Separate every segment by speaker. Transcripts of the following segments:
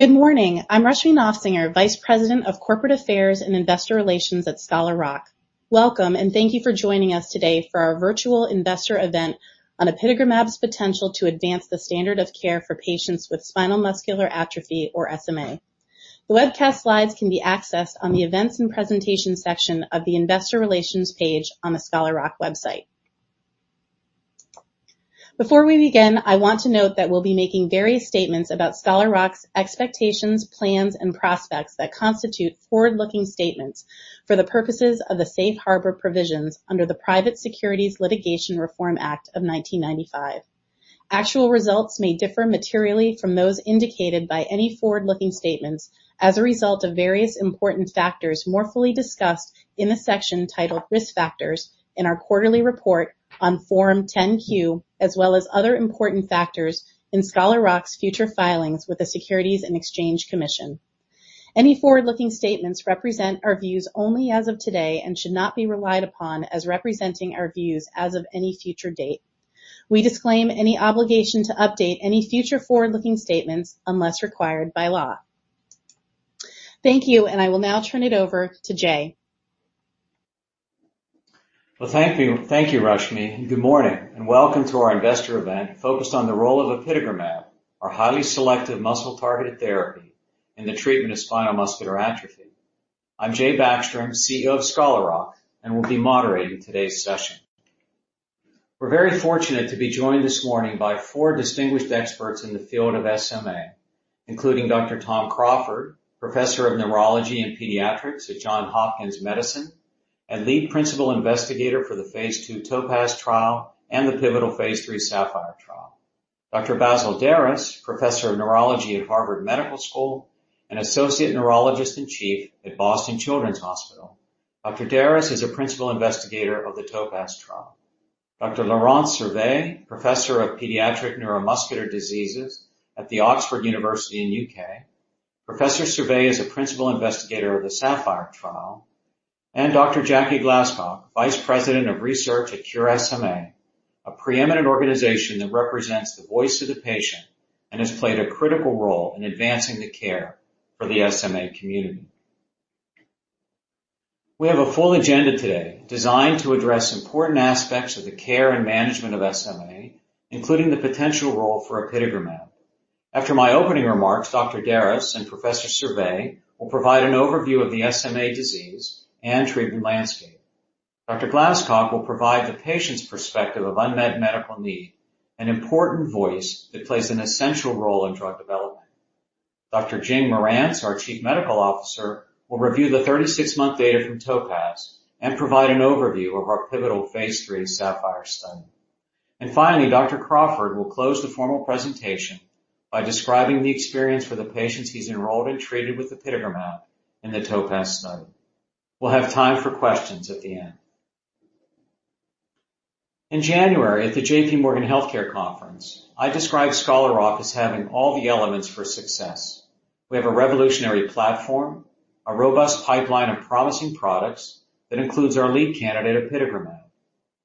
Speaker 1: Good morning. I'm Rushmie Nofsinger, Vice President of Corporate Affairs and Investor Relations at Scholar Rock. Welcome, and thank you for joining us today for our virtual investor event on apitegromab's potential to advance the standard of care for patients with spinal muscular atrophy or SMA. The webcast slides can be accessed on the Events and Presentation section of the Investor Relations page on the Scholar Rock website. Before we begin, I want to note that we'll be making various statements about Scholar Rock's expectations, plans, and prospects that constitute forward-looking statements for the purposes of the Safe Harbor Provisions under the Private Securities Litigation Reform Act of 1995. Actual results may differ materially from those indicated by any forward-looking statements as a result of various important factors, more fully discussed in a section titled "Risk Factors" in our quarterly report on Form 10-Q, as well as other important factors in Scholar Rock's future filings with the Securities and Exchange Commission. Any forward-looking statements represent our views only as of today and should not be relied upon as representing our views as of any future date. We disclaim any obligation to update any future forward-looking statements unless required by law. Thank you, and I will now turn it over to Jay.
Speaker 2: Well, thank you. Thank you, Rushmie, good morning, and welcome to our investor event focused on the role of apitegromab, our highly selective muscle-targeted therapy in the treatment of spinal muscular atrophy. I'm Jay Backstrom, CEO of Scholar Rock, will be moderating today's session. We're very fortunate to be joined this morning by four distinguished experts in the field of SMA, including Dr. Tom Crawford, professor of Neurology and Pediatrics at Johns Hopkins Medicine and Lead Principal Investigator for the Phase 2 TOPAZ trial and the pivotal Phase 3 SAPPHIRE trial. Dr. Basil Darras, professor of Neurology at Harvard Medical School and Associate Neurologist-in-Chief at Boston Children's Hospital. Dr. Darras is a Principal Investigator of the TOPAZ trial. Dr. Laurent Servais, professor of Pediatric Neuromuscular Diseases at the University of Oxford in the U.K. Professor Servais is a Principal Investigator of the SAPPHIRE trial. Dr. Jackie Glascock, Vice President of Research at Cure SMA, a preeminent organization that represents the voice of the patient and has played a critical role in advancing the care for the SMA community. We have a full agenda today designed to address important aspects of the care and management of SMA, including the potential role for apitegromab. After my opening remarks, Dr. Darras and Professor Servais will provide an overview of the SMA disease and treatment landscape. Dr. Glascock will provide the patient's perspective of unmet medical need, an important voice that plays an essential role in drug development. Dr. Jing Marantz, our Chief Medical Officer, will review the 36 month data from TOPAZ and provide an overview of our pivotal Phase 3 SAPPHIRE study. Finally, Dr. Crawford will close the formal presentation by describing the experience for the patients he's enrolled and treated with apitegromab in the TOPAZ study. We'll have time for questions at the end. In January, at the JPMorgan Healthcare Conference, I described Scholar Rock as having all the elements for success. We have a revolutionary platform, a robust pipeline of promising products that includes our lead candidate, apitegromab.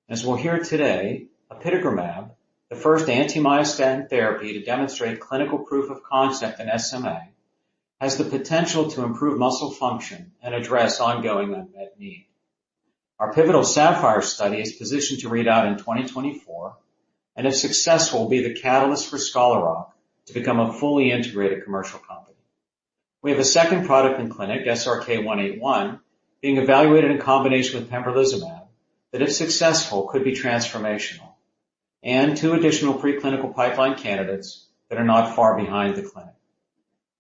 Speaker 2: As we'll hear today, apitegromab, the first anti-myostatin therapy to demonstrate clinical proof of concept in SMA, has the potential to improve muscle function and address ongoing unmet need. Our pivotal SAPPHIRE study is positioned to read out in 2024 and, if successful, will be the catalyst for Scholar Rock to become a fully integrated commercial company. We have a second product in clinic, SRK-181, being evaluated in combination with pembrolizumab, that if successful, could be transformational, and two additional preclinical pipeline candidates that are not far behind the clinic.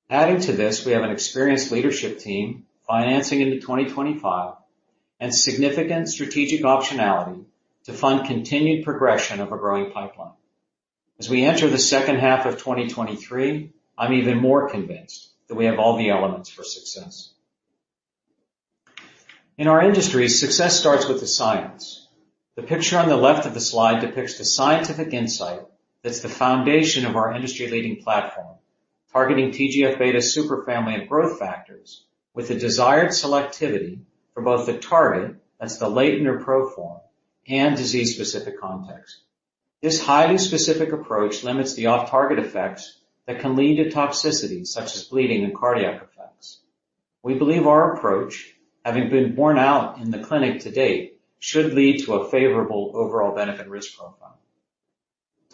Speaker 2: Adding to this, we have an experienced leadership team, financing into 2025, and significant strategic optionality to fund continued progression of a growing pipeline. As we enter the second half of 2023, I'm even more convinced that we have all the elements for success. In our industry, success starts with the science. The picture on the left of the slide depicts the scientific insight that's the foundation of our industry-leading platform, targeting TGF-β superfamily of growth factors with the desired selectivity for both the target, that's the latent or pro form, and disease-specific context. This highly specific approach limits the off-target effects that can lead to toxicity, such as bleeding and cardiac effects. We believe our approach, having been borne out in the clinic to date, should lead to a favorable overall benefit risk profile.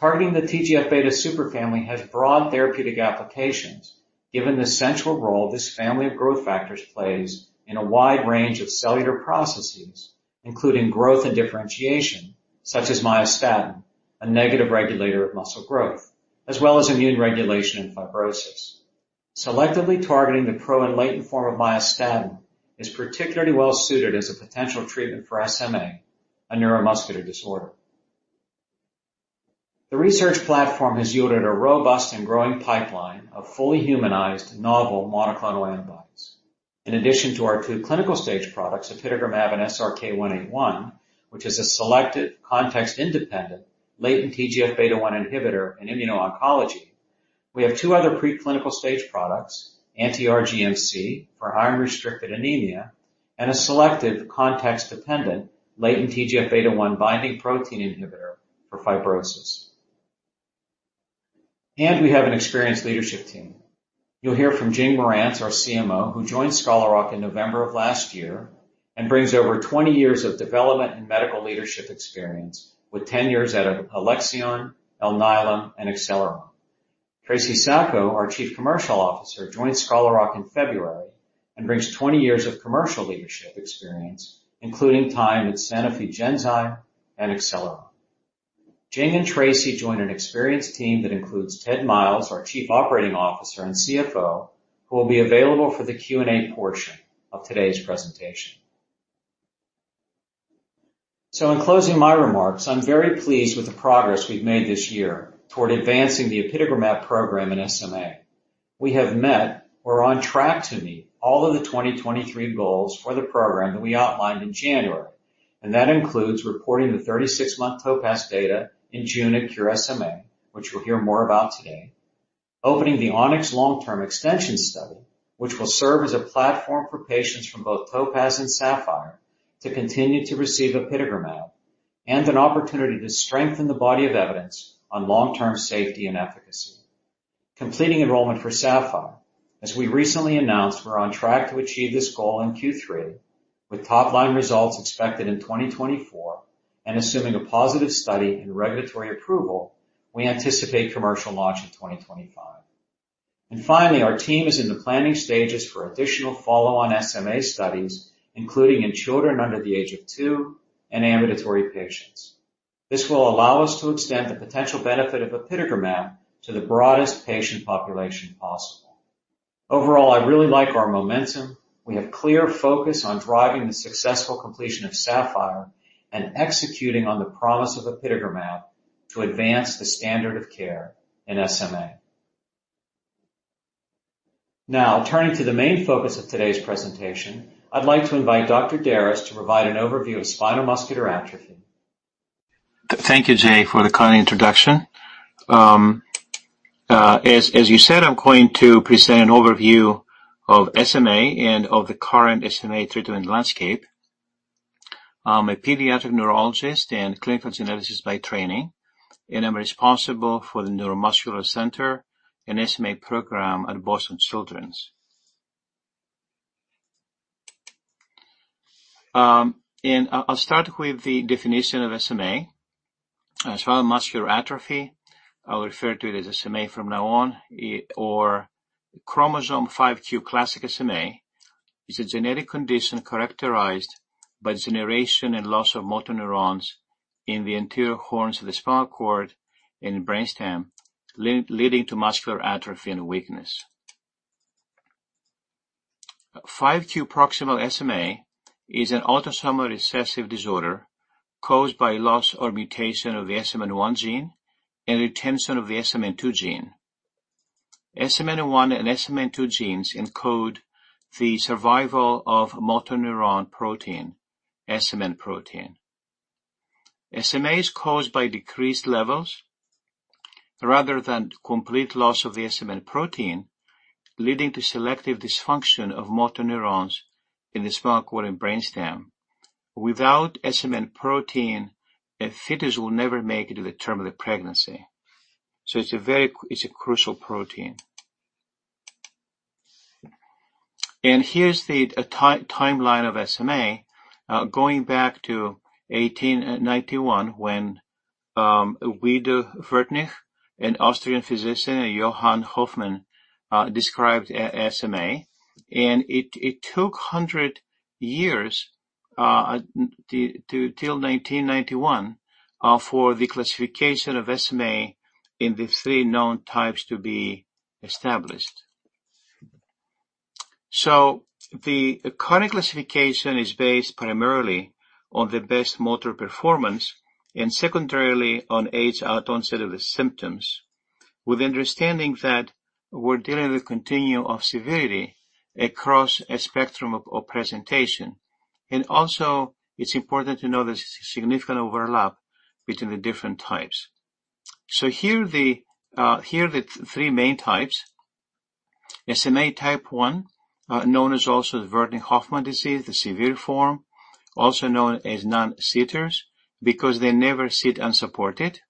Speaker 2: Targeting the TGF-β superfamily has broad therapeutic applications given the central role this family of growth factors plays in a wide range of cellular processes, including growth and differentiation, such as myostatin, a negative regulator of muscle growth, as well as immune regulation and fibrosis. Selectively targeting the pro and latent form of myostatin is particularly well suited as a potential treatment for SMA, a neuromuscular disorder. The research platform has yielded a robust and growing pipeline of fully humanized novel monoclonal antibodies. In addition to our two clinical stage products, apitegromab and SRK-181, which is a selective context-independent latent TGFβ1 inhibitor in immuno-oncology, we have two other preclinical stage products: anti-RGMc for iron-restricted anemia and a selective context-dependent latent TGFβ1 binding protein inhibitor-... for fibrosis. We have an experienced leadership team. You'll hear from Jing Marantz, our CMO, who joined Scholar Rock in November of last year, and brings over 20 years of development and medical leadership experience, with 10 years at Alexion, Alnylam, and Acceleron. Tracey Sacco, our Chief Commercial Officer, joined Scholar Rock in February and brings 20 years of commercial leadership experience, including time at Sanofi Genzyme and Acceleron. Jing and Tracey join an experienced team that includes Ted Myles, our Chief Operating Officer and CFO, who will be available for the Q&A portion of today's presentation. In closing my remarks, I'm very pleased with the progress we've made this year toward advancing the apitegromab program in SMA. We have met or are on track to meet all of the 2023 goals for the program that we outlined in January. That includes reporting the 36-month TOPAZ data in June at Cure SMA, which we'll hear more about today. Opening the ONYX long-term extension study, which will serve as a platform for patients from both TOPAZ and SAPPHIRE to continue to receive apitegromab, an opportunity to strengthen the body of evidence on long-term safety and efficacy. Completing enrollment for SAPPHIRE. As we recently announced, we're on track to achieve this goal in Q3, with top-line results expected in 2024. Assuming a positive study and regulatory approval, we anticipate commercial launch in 2025. Finally, our team is in the planning stages for additional follow-on SMA studies, including in children under the age of two and ambulatory patients. This will allow us to extend the potential benefit of apitegromab to the broadest patient population possible. Overall, I really like our momentum. We have clear focus on driving the successful completion of SAPPHIRE and executing on the promise of apitegromab to advance the standard of care in SMA. Turning to the main focus of today's presentation, I'd like to invite Dr. Darras to provide an overview of spinal muscular atrophy.
Speaker 3: Thank you, Jay, for the kind introduction. As you said, I'm going to present an overview of SMA and of the current SMA treatment landscape. I'm a pediatric neurologist and clinical geneticist by training, and I'm responsible for the Neuromuscular Center and SMA program at Boston Children's. I'll start with the definition of SMA, spinal muscular atrophy. I will refer to it as SMA from now on, or chromosome 5Q classic SMA is a genetic condition characterized by degeneration and loss of motor neurons in the anterior horns of the spinal cord and brainstem, leading to muscular atrophy and weakness. 5Q proximal SMA is an autosomal recessive disorder caused by loss or mutation of the SMN1 gene and retention of the SMN2 gene. SMN1 and SMN2 genes encode the survival motor neuron protein, SMN protein. SMA is caused by decreased levels rather than complete loss of the SMN protein, leading to selective dysfunction of motor neurons in the spinal cord and brainstem. Without SMN protein, a fetus will never make it to the term of the pregnancy. It's a very crucial protein. Here's the timeline of SMA, going back to 1891 when Werdnig, an Austrian physician, and Johann Hoffmann described SMA, and it took 100 years to, till 1991, for the classification of SMA in the 3 known types to be established. The current classification is based primarily on the best motor performance and secondarily on age at onset of the symptoms, with understanding that we're dealing with a continuum of severity across a spectrum of presentation. Also, it's important to know there's significant overlap between the different types. Here are the three main types. SMA type 1, known as also the Werdnig-Hoffmann disease, the severe form, also known as non-sitters, because they never sit unsupported,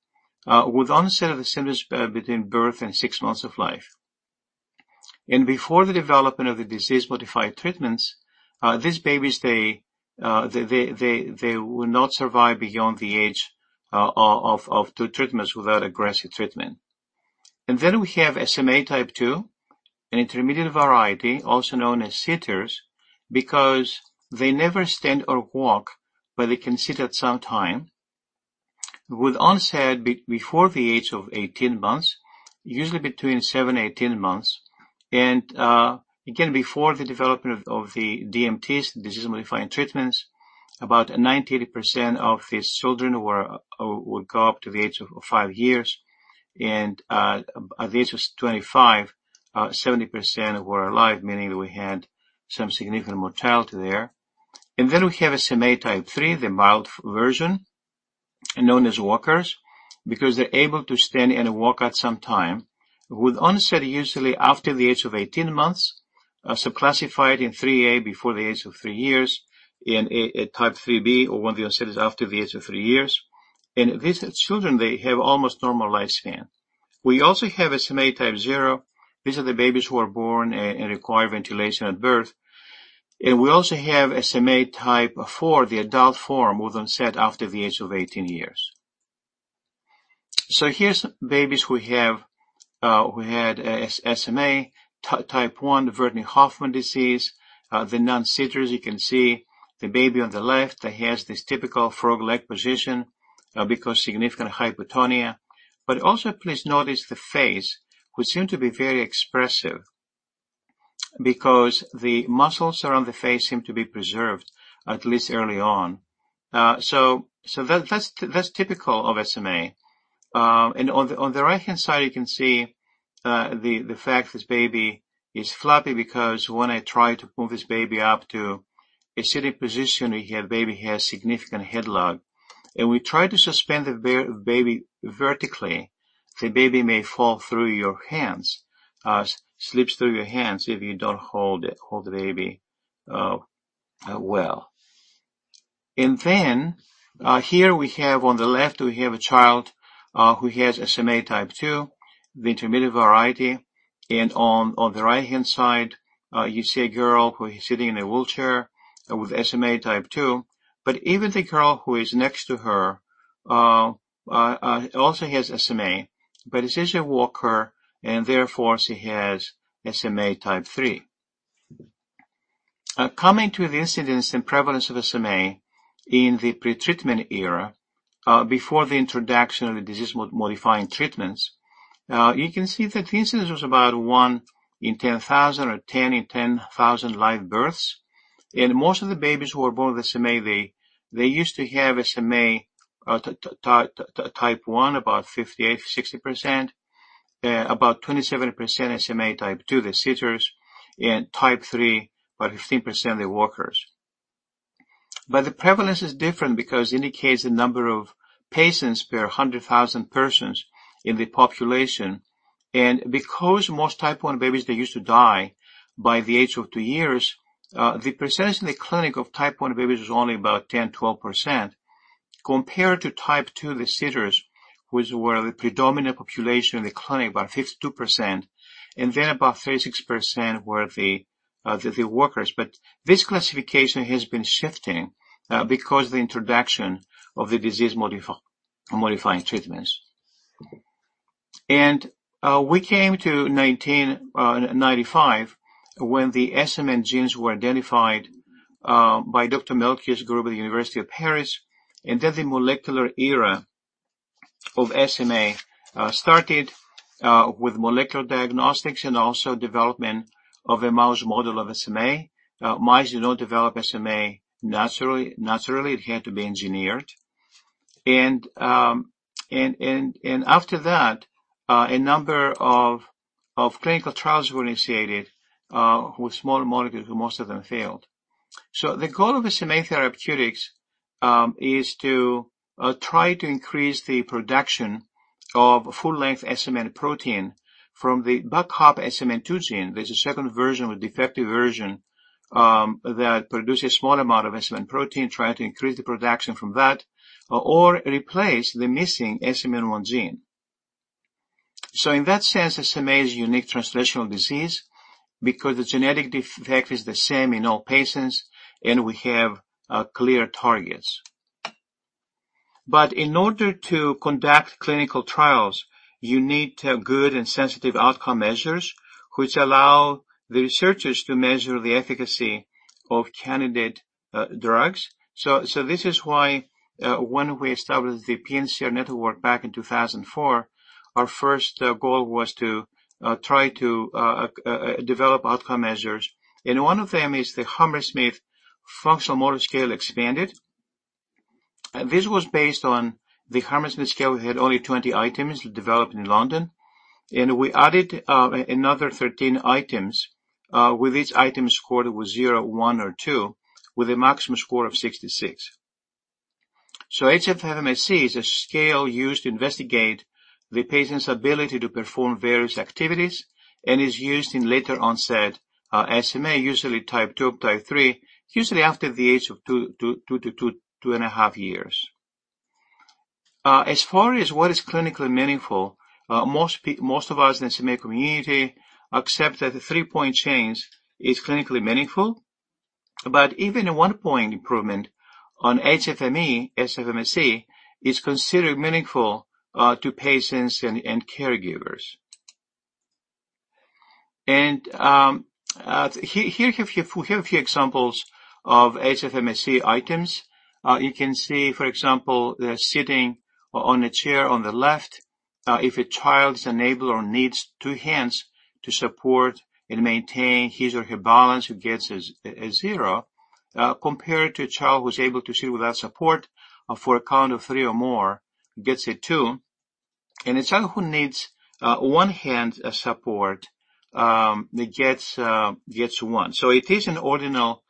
Speaker 3: with onset of the symptoms between birth and six months of life. Before the development of the disease-modifying treatments, these babies, they will not survive beyond the age of two treatments without aggressive treatment. We have SMA type 2, an intermediate variety, also known as sitters, because they never stand or walk, but they can sit at some time, with onset before the age of 18 months, usually between seven and 18 months. Again, before the development of the DMTs, disease-modifying treatments, about 98% of these children would go up to the age of five years. At the age of 25, 70% were alive, meaning we had some significant mortality there. We have SMA type 3, the mild version, known as walkers, because they're able to stand and walk at some time, with onset usually after the age of 18 months. are subclassified in 3A before the age of 3 years, and a type 3B or when the onset is after the age of 3 years. These children, they have almost normal lifespan. We also have SMA type 0. These are the babies who are born and require ventilation at birth. We also have SMA type 4, the adult form, with onset after the age of 18 years. Here's babies who have who had SMA type 1, the Werdnig-Hoffmann disease, the non-sitters. You can see the baby on the left, he has this typical frog-leg position because significant hypotonia. Also, please notice the face, which seem to be very expressive, because the muscles around the face seem to be preserved, at least early on. That's typical of SMA. On the right-hand side, you can see the fact this baby is floppy because when I try to move this baby up to a sitting position, baby has significant head lag. We try to suspend the baby vertically, the baby may fall through your hands, slips through your hands if you don't hold it, hold the baby well. Here we have on the left, we have a child who has SMA type 2, the intermediate variety. On the right-hand side, you see a girl who is sitting in a wheelchair with SMA type 2. Even the girl who is next to her also has SMA, but she's a walker, and therefore, she has SMA type 3. Coming to the incidence and prevalence of SMA in the pretreatment era, before the introduction of the disease modifying treatments, you can see that the incidence was about 1 in 10,000 or 10 in 10,000 live births. Most of the babies who were born with SMA, they used to have SMA type 1, about 58%-60%, about 27% SMA type 2, the sitters, and type 3, about 15%, the walkers. The prevalence is different because it indicates the number of patients per 100,000 persons in the population. Because most Type 1 babies, they used to die by the age of two years, the presence in the clinic of Type 1 babies was only about 10%, 12%, compared to Type 2, the sitters, who were the predominant population in the clinic, about 52%, and then about 36% were the walkers. This classification has been shifting because of the introduction of the disease modifying treatments. We came to 1995, when the SMN genes were identified by Dr. Melki's group at the University of Paris, and then the molecular era of SMA started with molecular diagnostics and also development of a mouse model of SMA. Mice do not develop SMA naturally, it had to be engineered. After that, a number of clinical trials were initiated with small molecules, but most of them failed. The goal of SMA therapeutics is to try to increase the production of full-length SMN protein from the backup SMN2 gene. There's a second version, a defective version, that produces a small amount of SMN protein, try to increase the production from that or replace the missing SMN1 gene. In that sense, SMA is a unique translational disease because the genetic defect is the same in all patients, and we have clear targets. In order to conduct clinical trials, you need to have good and sensitive outcome measures, which allow the researchers to measure the efficacy of candidate drugs. This is why, when we established the PNCR Network back in 2004, our first goal was to try to develop outcome measures. One of them is the Hammersmith Functional Motor Scale Expanded. This was based on the Hammersmith scale, it had only 20 items, developed in London, and we added another 13 items, with each item scored with 0, 1, or 2, with a maximum score of 66. HFMSE is a scale used to investigate the patient's ability to perform various activities and is used in later-onset SMA, usually type 2 or type 3, usually after the age of 2 to 2 and a half years. As far as what is clinically meaningful, most of us in the SMA community accept that a three-point change is clinically meaningful. Even a one-point improvement on HFMSC is considered meaningful to patients and caregivers. Here we have a few examples of HFMSC items. You can see, for example, the sitting on a chair on the left, if a child is unable or needs two hands to support and maintain his or her balance, he gets a zero compared to a child who's able to sit without support for a count of three or more, gets a two, and a child who needs one hand support, he gets one. It is an ordinal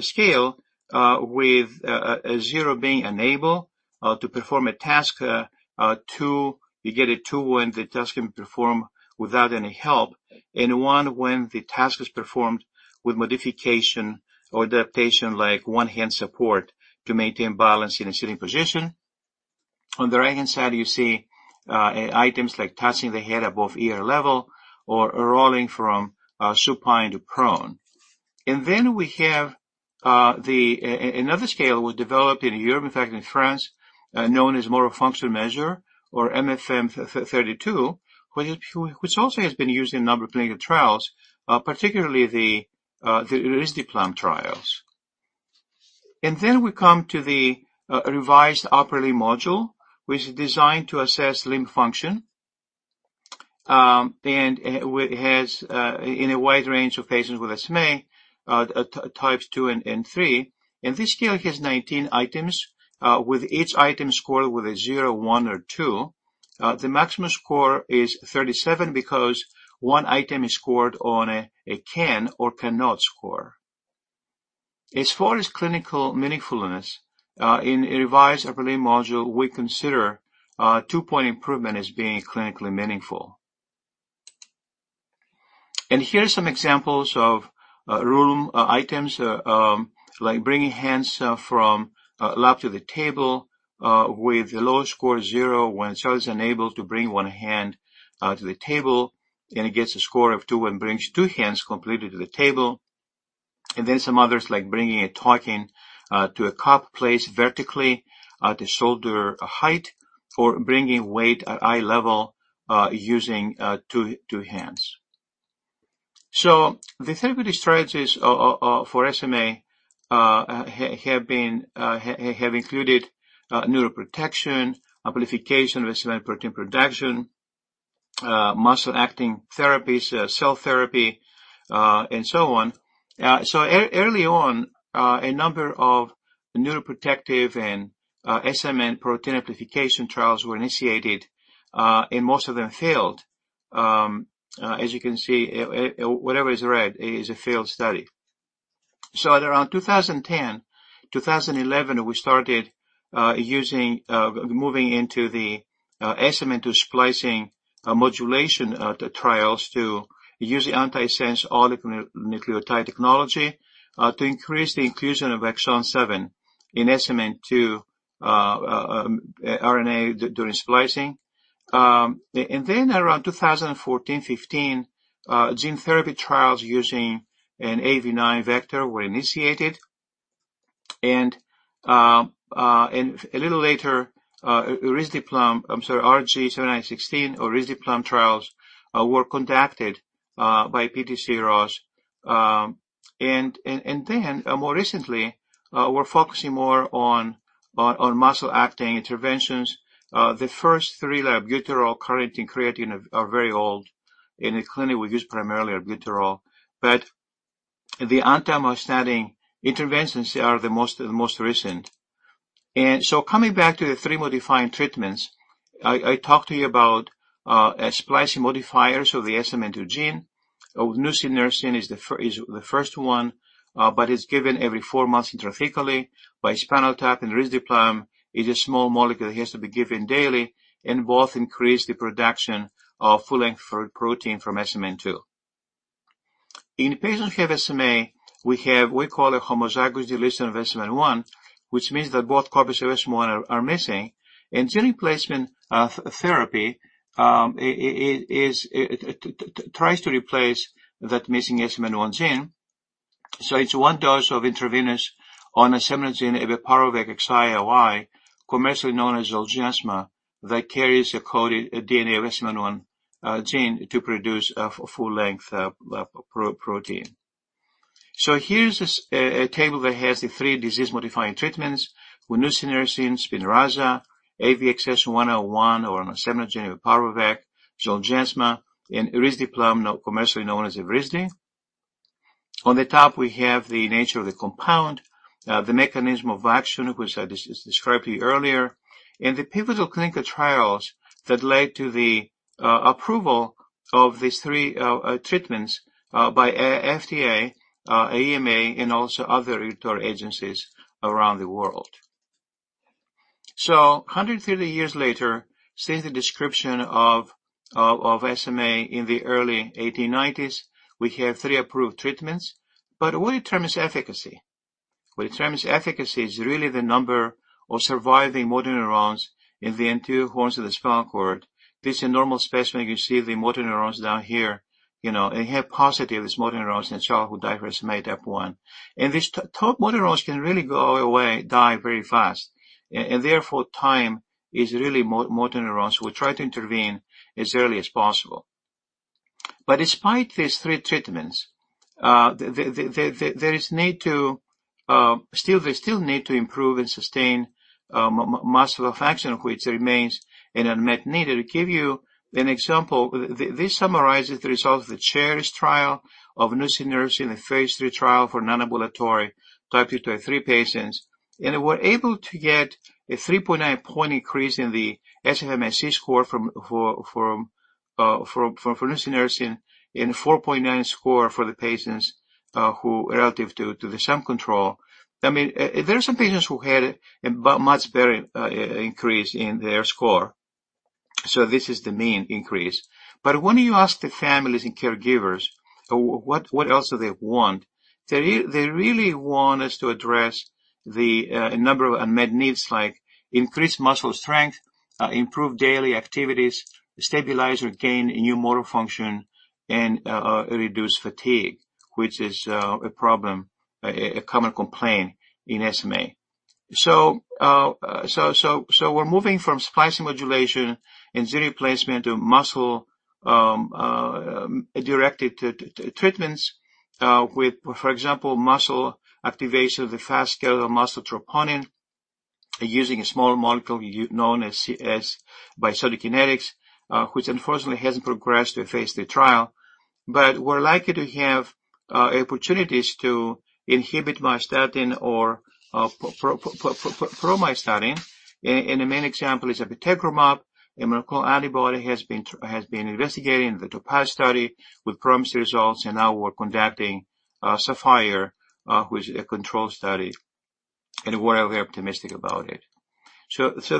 Speaker 3: scale with zero being unable. To perform a task, two, you get a two when the task can perform without any help, and a one when the task is performed with modification or adaptation, like one hand support, to maintain balance in a sitting position. On the right-hand side, you see items like touching the head above ear level or rolling from supine to prone. Then we have another scale was developed in Europe, in fact, in France, known as Motor Function Measure or MFM32, which also has been used in a number of clinical trials, particularly the risdiplam trials. Then we come to the Revised Upper Limb Module, which is designed to assess limb function. and it has in a wide range of patients with SMA, types 2 and 3. This scale has 19 items, with each item scored with a zero, one, or two. The maximum score is 37 because one item is scored on a can or cannot score. As far as clinical meaningfulness, in Revised Upper Limb Module, we consider 2-point improvement as being clinically meaningful. Here are some examples of room items, like bringing hands from lap to the table, with the lowest score, zero, when someone is unable to bring one hand to the table, and it gets a score of two and brings two hands completely to the table. Some others, like bringing and talking to a cup placed vertically at the shoulder height for bringing weight at eye level, using two hands. The therapy strategies for SMA have been included neuroprotection, amplification of SMN protein production, muscle acting therapies, cell therapy, and so on. Early on, a number of neuroprotective and SMN protein amplification trials were initiated, and most of them failed. As you can see, whatever is red is a failed study. At around 2010, 2011, we started using moving into the SMN2 splicing modulation trials to use the antisense oligonucleotide technology to increase the inclusion of exon 7 in SMN2 RNA during splicing. Around 2014, 2015, gene therapy trials using an AAV9 vector were initiated. A little later, RG7916 or risdiplam trials were conducted by PTC Therapeutics. And then, more recently, we're focusing more on muscle acting interventions. The first three, albuterol, carnitine, creatine are very old, and in clinic, we use primarily albuterol. The anti-myostatin interventions, they are the most recent. Coming back to the three modifying treatments I talked to you about, splicing modifiers of the SMN2 gene. Nusinersen is the first one, but it's given every 4 months intrathecally. branaplam and risdiplam is a small molecule that has to be given daily, and both increase the production of full-length protein from SMN2. In patients who have SMA, we call it homozygous deletion of SMN1, which means that both copies of SMN1 are missing. Gene replacement therapy, it tries to replace that missing SMN1 gene. It's one dose of intravenous onasemnogene abeparvovec-xioi, commercially known as Zolgensma, that carries a coded DNA of SMN1 gene to produce a full-length protein. Here's a table that has the three disease-modifying treatments: nusinersen, Spinraza, AVXS-101 or onasemnogene abeparovec, Zolgensma, and risdiplam, now commercially known as Evrysdi. On the top, we have the nature of the compound, the mechanism of action, which I described to you earlier, and the pivotal clinical trials that led to the approval of these 3 treatments by FDA, EMA, and also other regulatory agencies around the world. 130 years later, since the description of SMA in the early 1890s, we have 3 approved treatments. What determines efficacy? What determines efficacy is really the number of surviving motor neurons in the anterior horns of the spinal cord. This is a normal specimen. You can see the motor neurons down here. You know, and here, positive is motor neurons in a child who died with SMA type 1. These top motor neurons can really go away, die very fast, and therefore, time is really motor neurons. We try to intervene as early as possible. Despite these three treatments, they still need to improve and sustain muscle function, which remains an unmet need. To give you an example, this summarizes the results of the CHERISH trial of nusinersen in a phase 3 trial for non-ambulatory type 2 to 3 patients, and they were able to get a 3.9 point increase in the SFMSC score for nusinersen in 4.9 score for the patients who relative to the same control. I mean, there are some patients who had a much better increase in their score. This is the main increase. When you ask the families and caregivers, what else do they want? They really want us to address the number of unmet needs, like increased muscle strength, improved daily activities, stabilize or gain new motor function, and reduce fatigue, which is a problem, a common complaint in SMA. We're moving from splicing modulation and gene replacement to muscle directed to treatments with, for example, muscle activation of the fast skeletal muscle troponin, using a small molecule known as by Soligenix, which unfortunately hasn't progressed to a phase III trial. We're likely to have opportunities to inhibit myostatin or follistatin. The main example is apitegromab, a monoclonal antibody, has been investigated in the TOPAZ with promising results. Now we're conducting SAPPHIRE, which is a control study. We're very optimistic about it.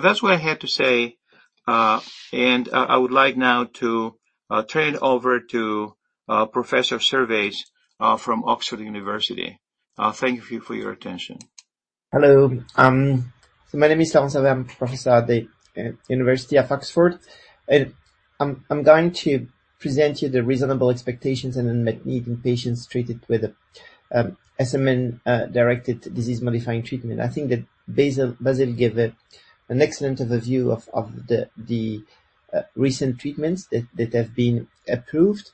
Speaker 3: That's what I had to say. I would like now to turn it over to Professor Servais from University of Oxford. Thank you for your attention.
Speaker 4: Hello. My name is Laurent Servais. I'm professor at the University of Oxford, and I'm going to present you the reasonable expectations and unmet need in patients treated with SMA directed disease-modifying treatment. I think that Basil gave an excellent overview of the recent treatments that have been approved.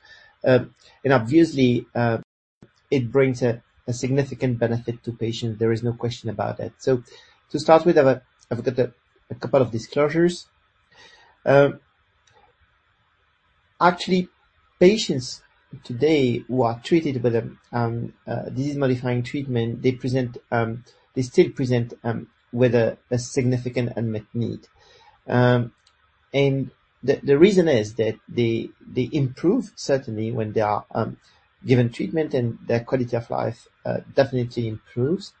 Speaker 4: Obviously, it brings a significant benefit to patients. There is no question about it. To start with, I've got a couple of disclosures. Actually, patients today who are treated with a disease-modifying treatment, they still present with a significant unmet need. The reason is that they improve, certainly, when they are given treatment, and their quality of life definitely improves,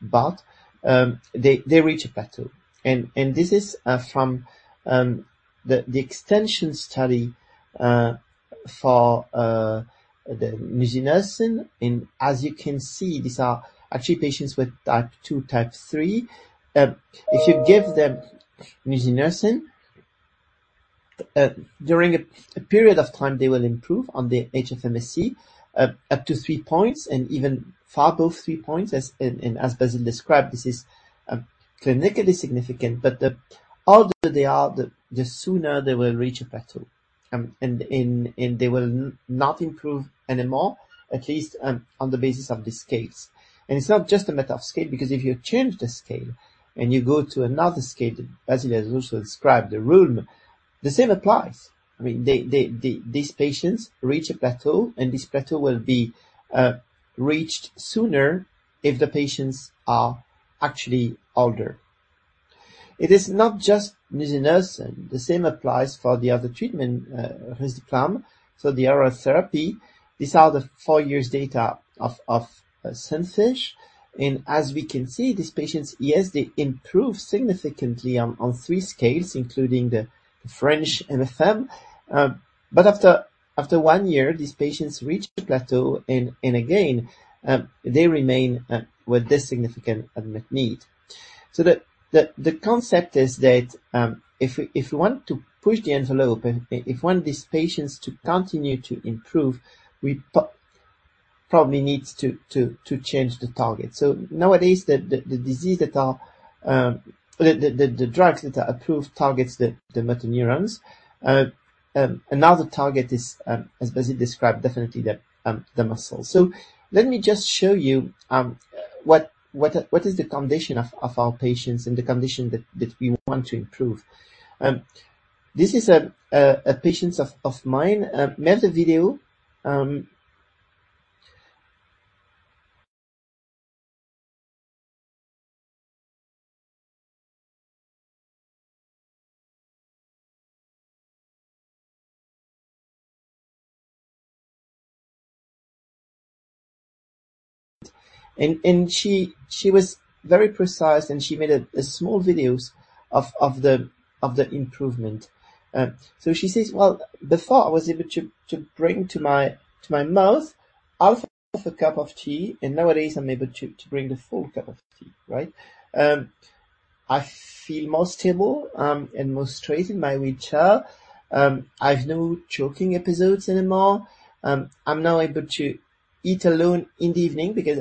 Speaker 4: but they reach a plateau. This is from the extension study for the nusinersen. As you can see, these are actually patients with Type 2, Type 3. If you give them nusinersen during a period of time, they will improve on the HFMSC up to 3 points and even far above 3 points. As Basil described, this is clinically significant, but the older they are, the sooner they will reach a plateau, and they will not improve anymore, at least on the basis of the scales. It's not just a matter of scale, because if you change the scale and you go to another scale, as he has also described, the RULM, the same applies. I mean, these patients reach a plateau, and this plateau will be reached sooner if the patients are actually older. It is not just nusinersen. The same applies for the other treatment, risdiplam, so the oral therapy. These are the 4 years data of SUNFISH. As we can see, these patients, yes, they improve significantly on three scales, including the French MFM. After one year, these patients reach a plateau, and again, they remain with this significant unmet need. The concept is that, if you want to push the envelope and if we want these patients to continue to improve, we probably need to change the target. Nowadays, the disease that are the drugs that are approved targets the motor neurons. Another target is, as Basil described, definitely the muscles. Let me just show you what is the condition of our patients and the condition that we want to improve. This is a patients of mine, made a video. She was very precise, and she made a small videos of the improvement. She says, "Well, before I was able to bring to my mouth half of a cup of tea, and nowadays I'm able to bring the full cup of tea," right? "I feel more stable and more straight in my wheelchair. I've no choking episodes anymore. I'm now able to eat alone in the evening," because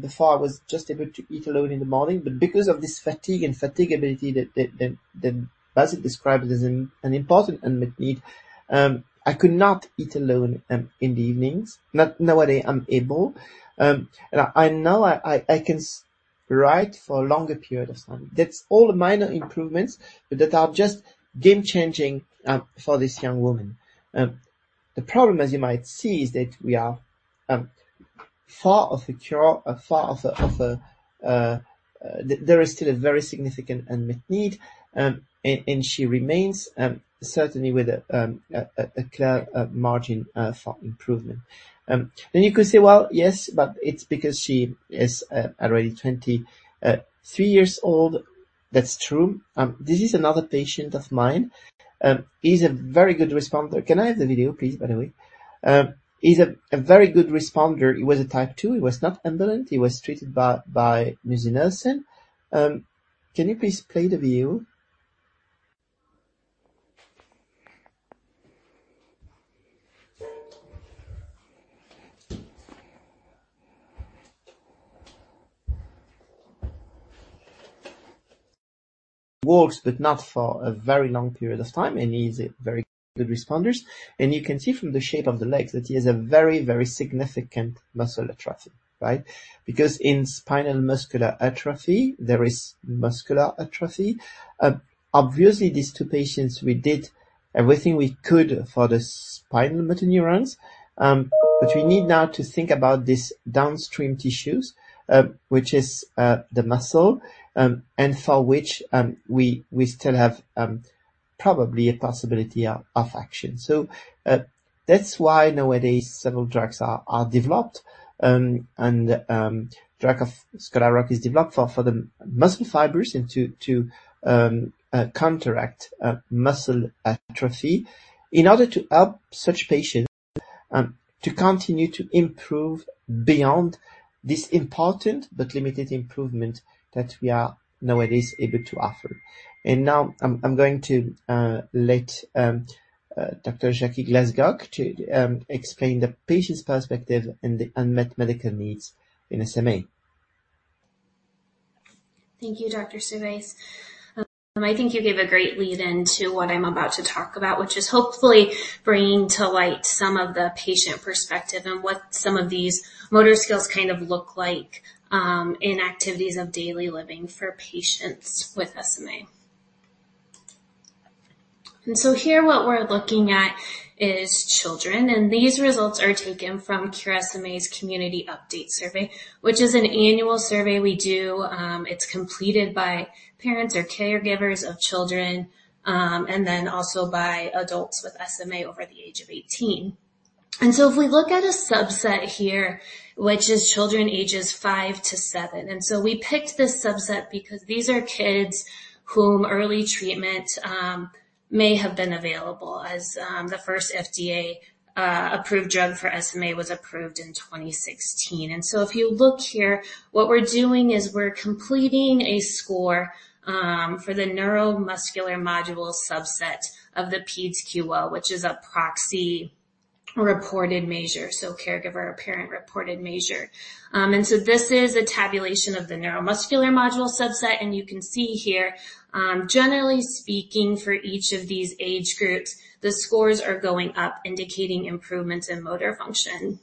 Speaker 4: before I was just able to eat alone in the morning. Because of this fatigue and fatiguability that Basil described as an important unmet need, "I could not eat alone in the evenings. Now, nowadays I'm able, and I can write for a longer period of time." That's all minor improvements, but that are just game-changing for this young woman. The problem, as you might see, is that we are far off a cure, far off a, there is still a very significant unmet need. She remains certainly with a clear margin for improvement. You could say, "Well, yes, but it's because she is already 23 years old." That's true. This is another patient of mine. He's a very good responder. Can I have the video, please, by the way? He's a very good responder. He was a Type 2. He was not ambivalent. He was treated by nusinersen. Can you please play the video? Walks but not for a very long period of time, and he's a very good responders. You can see from the shape of the legs that he has a very, very significant muscle atrophy, right? Because in spinal muscular atrophy, there is muscular atrophy. Obviously, these two patients, we did everything we could for the spinal motor neurons. But we need now to think about these downstream tissues, which is the muscle, and for which we still have probably a possibility of action. That's why nowadays several drugs are developed, and drug of Scholar Rock is developed for the muscle fibers and to counteract muscle atrophy in order to help such patients to continue to improve beyond this important but limited improvement that we are nowadays able to offer. Now, I'm going to let Dr. Jackie Glascock to explain the patient's perspective and the unmet medical needs in SMA.
Speaker 5: Thank you, Dr. Servais. I think you gave a great lead-in to what I'm about to talk about, which is hopefully bringing to light some of the patient perspective and what some of these motor skills kind of look like in activities of daily living for patients with SMA. Here, what we're looking at is children, and these results are taken from Cure SMA's Community Update Survey, which is an annual survey we do. It's completed by parents or caregivers of children, and then also by adults with SMA over the age of 18. If we look at a subset here, which is children ages 5 to 7, and so we picked this subset because these are kids whom early treatment may have been available as the first FDA approved drug for SMA was approved in 2016. If you look here, what we're doing is we're completing a score for the neuromuscular module subset of the PedsQL, which is a proxy reported measure, so caregiver or parent-reported measure. This is a tabulation of the neuromuscular module subset, and you can see here, generally speaking, for each of these age groups, the scores are going up, indicating improvements in motor function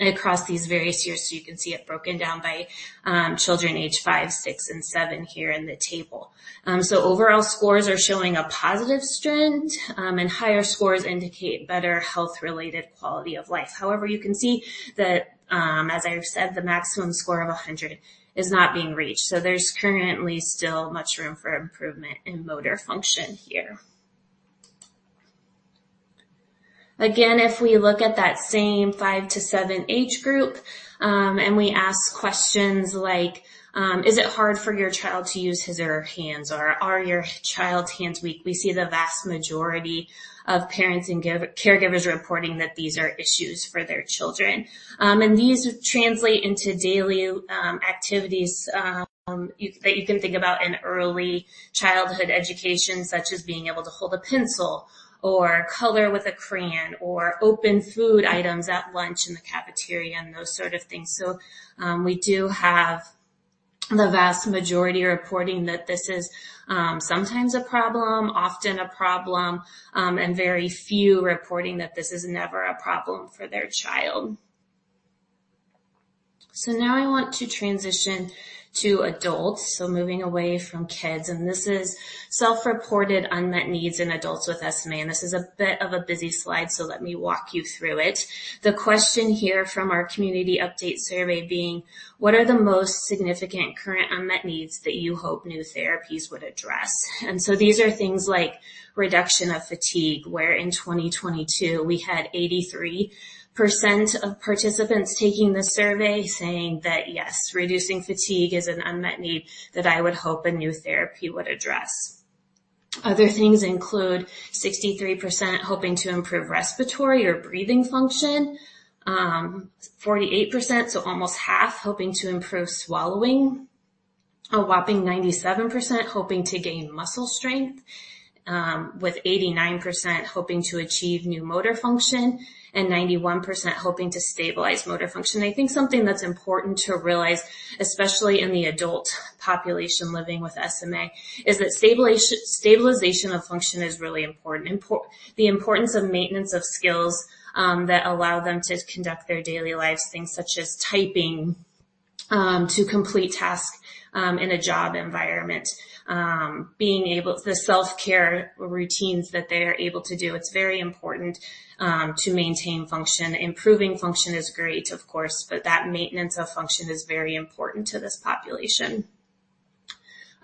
Speaker 5: across these various years. You can see it broken down by children aged 5, 6, and 7 here in the table. Overall scores are showing a positive trend, and higher scores indicate better health-related quality of life. However, you can see that, as I've said, the maximum score of 100 is not being reached, so there's currently still much room for improvement in motor function here. If we look at that same five to seven age group, and we ask questions like: Is it hard for your child to use his or her hands? Or, Are your child's hands weak? We see the vast majority of parents and caregivers reporting that these are issues for their children. These translate into daily activities that you can think about in early childhood education, such as being able to hold a pencil or color with a crayon, or open food items at lunch in the cafeteria, and those sort of things. We do have the vast majority reporting that this is sometimes a problem, often a problem, and very few reporting that this is never a problem for their child. Now I want to transition to adults, so moving away from kids, and this is self-reported unmet needs in adults with SMA. This is a bit of a busy slide, so let me walk you through it. The question here from our Community Update Survey being: What are the most significant current unmet needs that you hope new therapies would address? These are things like reduction of fatigue, where in 2022, we had 83% of participants taking the survey saying that, "Yes, reducing fatigue is an unmet need that I would hope a new therapy would address." Other things include 63% hoping to improve respiratory or breathing function, 48%, so almost half, hoping to improve swallowing. A whopping 97% hoping to gain muscle strength, with 89% hoping to achieve new motor function and 91% hoping to stabilize motor function. I think something that's important to realize, especially in the adult population living with SMA, is that stabilization of function is really important. The importance of maintenance of skills that allow them to conduct their daily lives, things such as typing, to complete tasks in a job environment. The self-care routines that they are able to do, it's very important to maintain function. Improving function is great, of course, but that maintenance of function is very important to this population.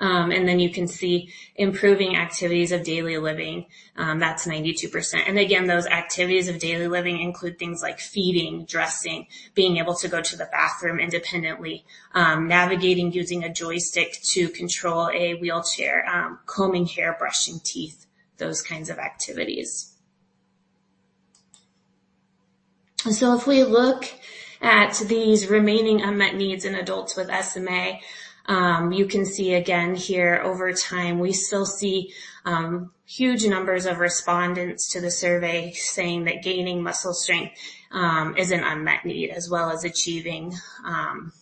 Speaker 5: Then you can see improving activities of daily living, that's 92%. Again, those activities of daily living include things like feeding, dressing, being able to go to the bathroom independently, navigating using a joystick to control a wheelchair, combing hair, brushing teeth, those kinds of activities. If we look at these remaining unmet needs in adults with SMA, you can see again here over time, we still see huge numbers of respondents to the survey saying that gaining muscle strength is an unmet need, as well as achieving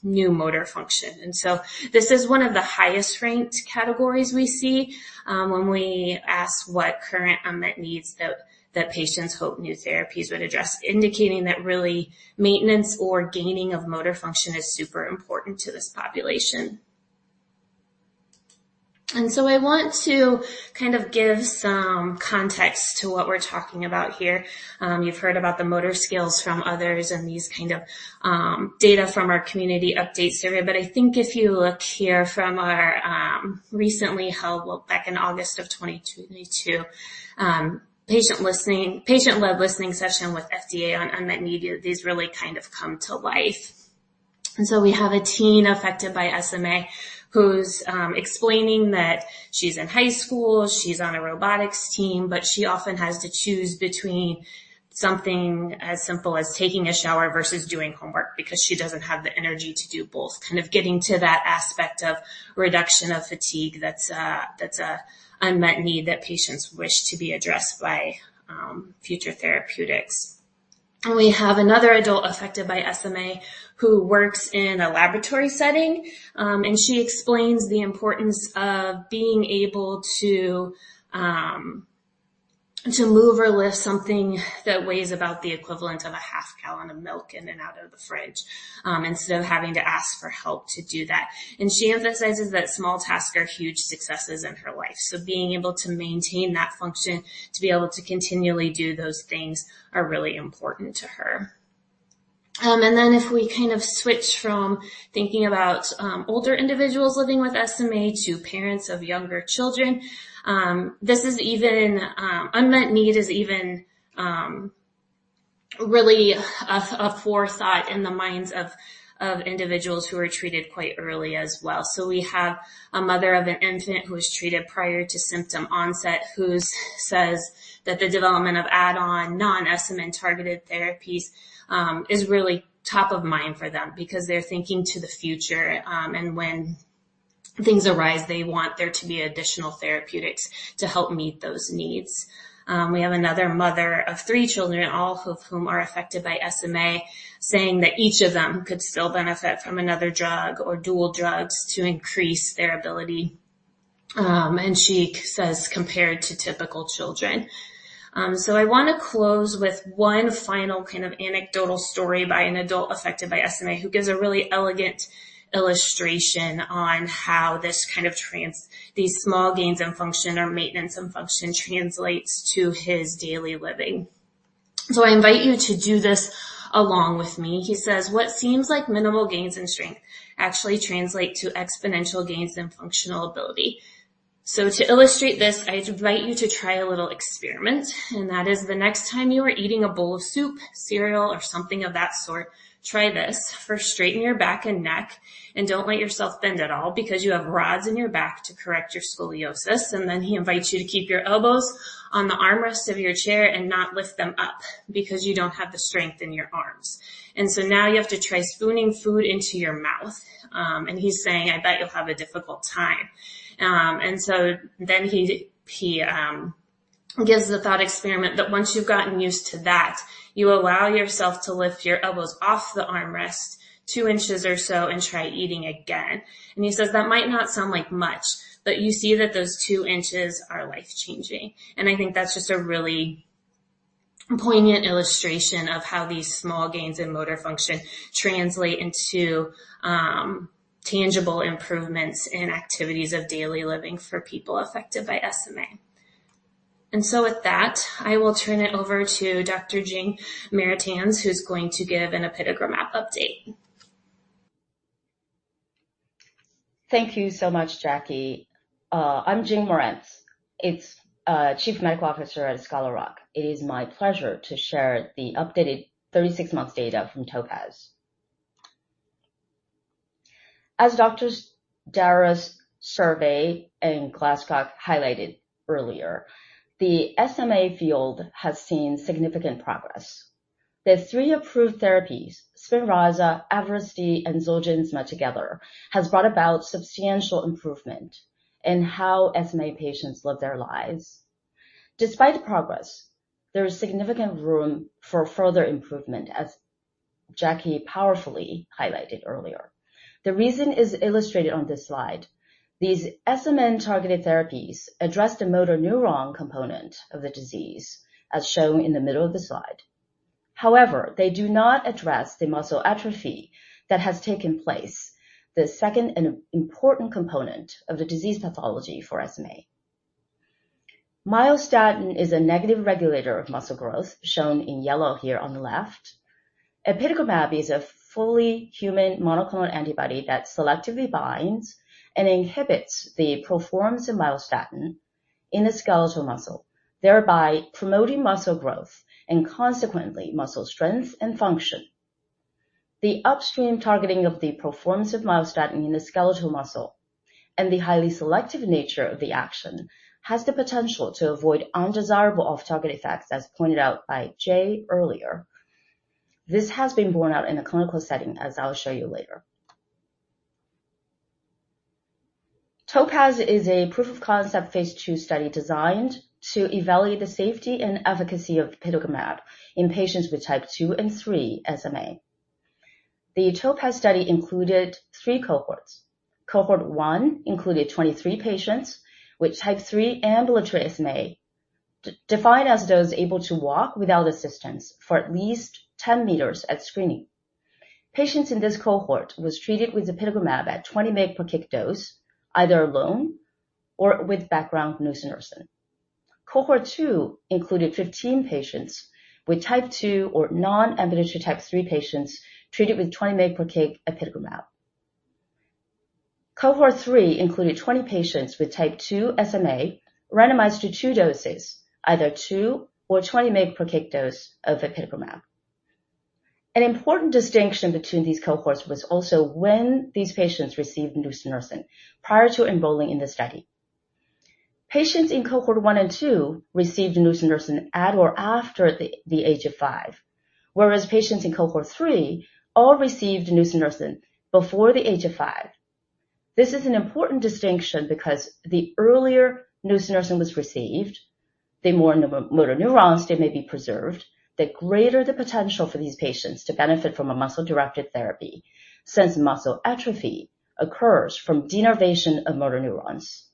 Speaker 5: new motor function. This is one of the highest ranked categories we see when we ask what current unmet needs that patients hope new therapies would address, indicating that really maintenance or gaining of motor function is super important to this population. I want to kind of give some context to what we're talking about here. You've heard about the motor skills from others and these kind of data from our Community Update Survey. I think if you look here from our recently held, well, back in August of 22, patient-led listening session with FDA on unmet need, these really kind of come to life. We have a teen affected by SMA who's explaining that she's in high school, she's on a robotics team, but she often has to choose between something as simple as taking a shower versus doing homework because she doesn't have the energy to do both. Kind of getting to that aspect of reduction of fatigue, that's an unmet need that patients wish to be addressed by future therapeutics. We have another adult affected by SMA who works in a laboratory setting, and she explains the importance of being able to move or lift something that weighs about the equivalent of a half gallon of milk in and out of the fridge, instead of having to ask for help to do that. She emphasizes that small tasks are huge successes in her life. Being able to maintain that function, to be able to continually do those things are really important to her. If we kind of switch from thinking about older individuals living with SMA to parents of younger children, this is even unmet need is even really a forethought in the minds of individuals who are treated quite early as well. We have a mother of an infant who was treated prior to symptom onset, who's says that the development of add-on, non-SMN targeted therapies is really top of mind for them because they're thinking to the future, and when things arise, they want there to be additional therapeutics to help meet those needs. We have another mother of 3 children, all of whom are affected by SMA, saying that each of them could still benefit from another drug or dual drugs to increase their ability, and she says, compared to typical children. I want to close with one final kind of anecdotal story by an adult affected by SMA, who gives a really elegant illustration on how this kind of These small gains in function or maintenance in function translates to his daily living. I invite you to do this along with me. He says, "What seems like minimal gains in strength actually translate to exponential gains in functional ability." To illustrate this, I invite you to try a little experiment, and that is the next time you are eating a bowl of soup, cereal, or something of that sort, try this. First, straighten your back and neck, and don't let yourself bend at all because you have rods in your back to correct your scoliosis. Then he invites you to keep your elbows on the armrest of your chair and not lift them up because you don't have the strength in your arms. Now you have to try spooning food into your mouth. He's saying, "I bet you'll have a difficult time." He gives the thought experiment that once you've gotten used to that, you allow yourself to lift your elbows off the armrest 2 inches or so and try eating again. He says, "That might not sound like much, but you see that those 2 inches are life-changing." I think that's just a really poignant illustration of how these small gains in motor function translate into tangible improvements in activities of daily living for people affected by SMA. With that, I will turn it over to Dr. Jing Marantz, who's going to give an epidemiological update.
Speaker 6: Thank you so much, Jackie. I'm Jing Marantz. It's Chief Medical Officer at Scholar Rock. It is my pleasure to share the updated 36 months data from TOPAZ. As Doctors Darras Servais in Jackie Glascock highlighted earlier, the SMA field has seen significant progress. The three approved therapies, Spinraza, Evrysdi, and Zolgensma together, has brought about substantial improvement in how SMA patients live their lives. Despite the progress, there is significant room for further improvement, as Jackie powerfully highlighted earlier. The reason is illustrated on this slide. These SMN targeted therapies address the motor neuron component of the disease, as shown in the middle of the slide. They do not address the muscle atrophy that has taken place, the second and important component of the disease pathology for SMA. Myostatin is a negative regulator of muscle growth, shown in yellow here on the left. Apitegromab is a fully human monoclonal antibody that selectively binds and inhibits the proform of myostatin in the skeletal muscle, thereby promoting muscle growth and consequently muscle strength and function. The upstream targeting of the proform of myostatin in the skeletal muscle and the highly selective nature of the action, has the potential to avoid undesirable off-target effects, as pointed out by Jay earlier. This has been borne out in a clinical setting as I'll show you later. TOPAZ is a proof of concept phase 2 study designed to evaluate the safety and efficacy of apitegromab in patients with type 2 and 3 SMA. The TOPAZ study included 3 cohorts. Cohort 1 included 23 patients with type 3 ambulatory SMA, defined as those able to walk without assistance for at least 10 meters at screening. Patients in this cohort was treated with apitegromab at 20 mg per kg dose, either alone or with background nusinersen. Cohort 2 included 15 patients with type 2 or non-ambulatory type 3 patients treated with 20 mg per kg apitegromab. Cohort 3 included 20 patients with type 2 SMA, randomized to 2 doses, either 2 or 20 mg per kg dose of apitegromab. An important distinction between these cohorts was also when these patients received nusinersen prior to enrolling in the study. Patients in cohort 1 and 2 received nusinersen at or after the age of 5, whereas patients in cohort 3 all received nusinersen before the age of 5. This is an important distinction because the earlier nusinersen was received, the more motor neurons they may be preserved, the greater the potential for these patients to benefit from a muscle-directed therapy, since muscle atrophy occurs from denervation of motor neurons.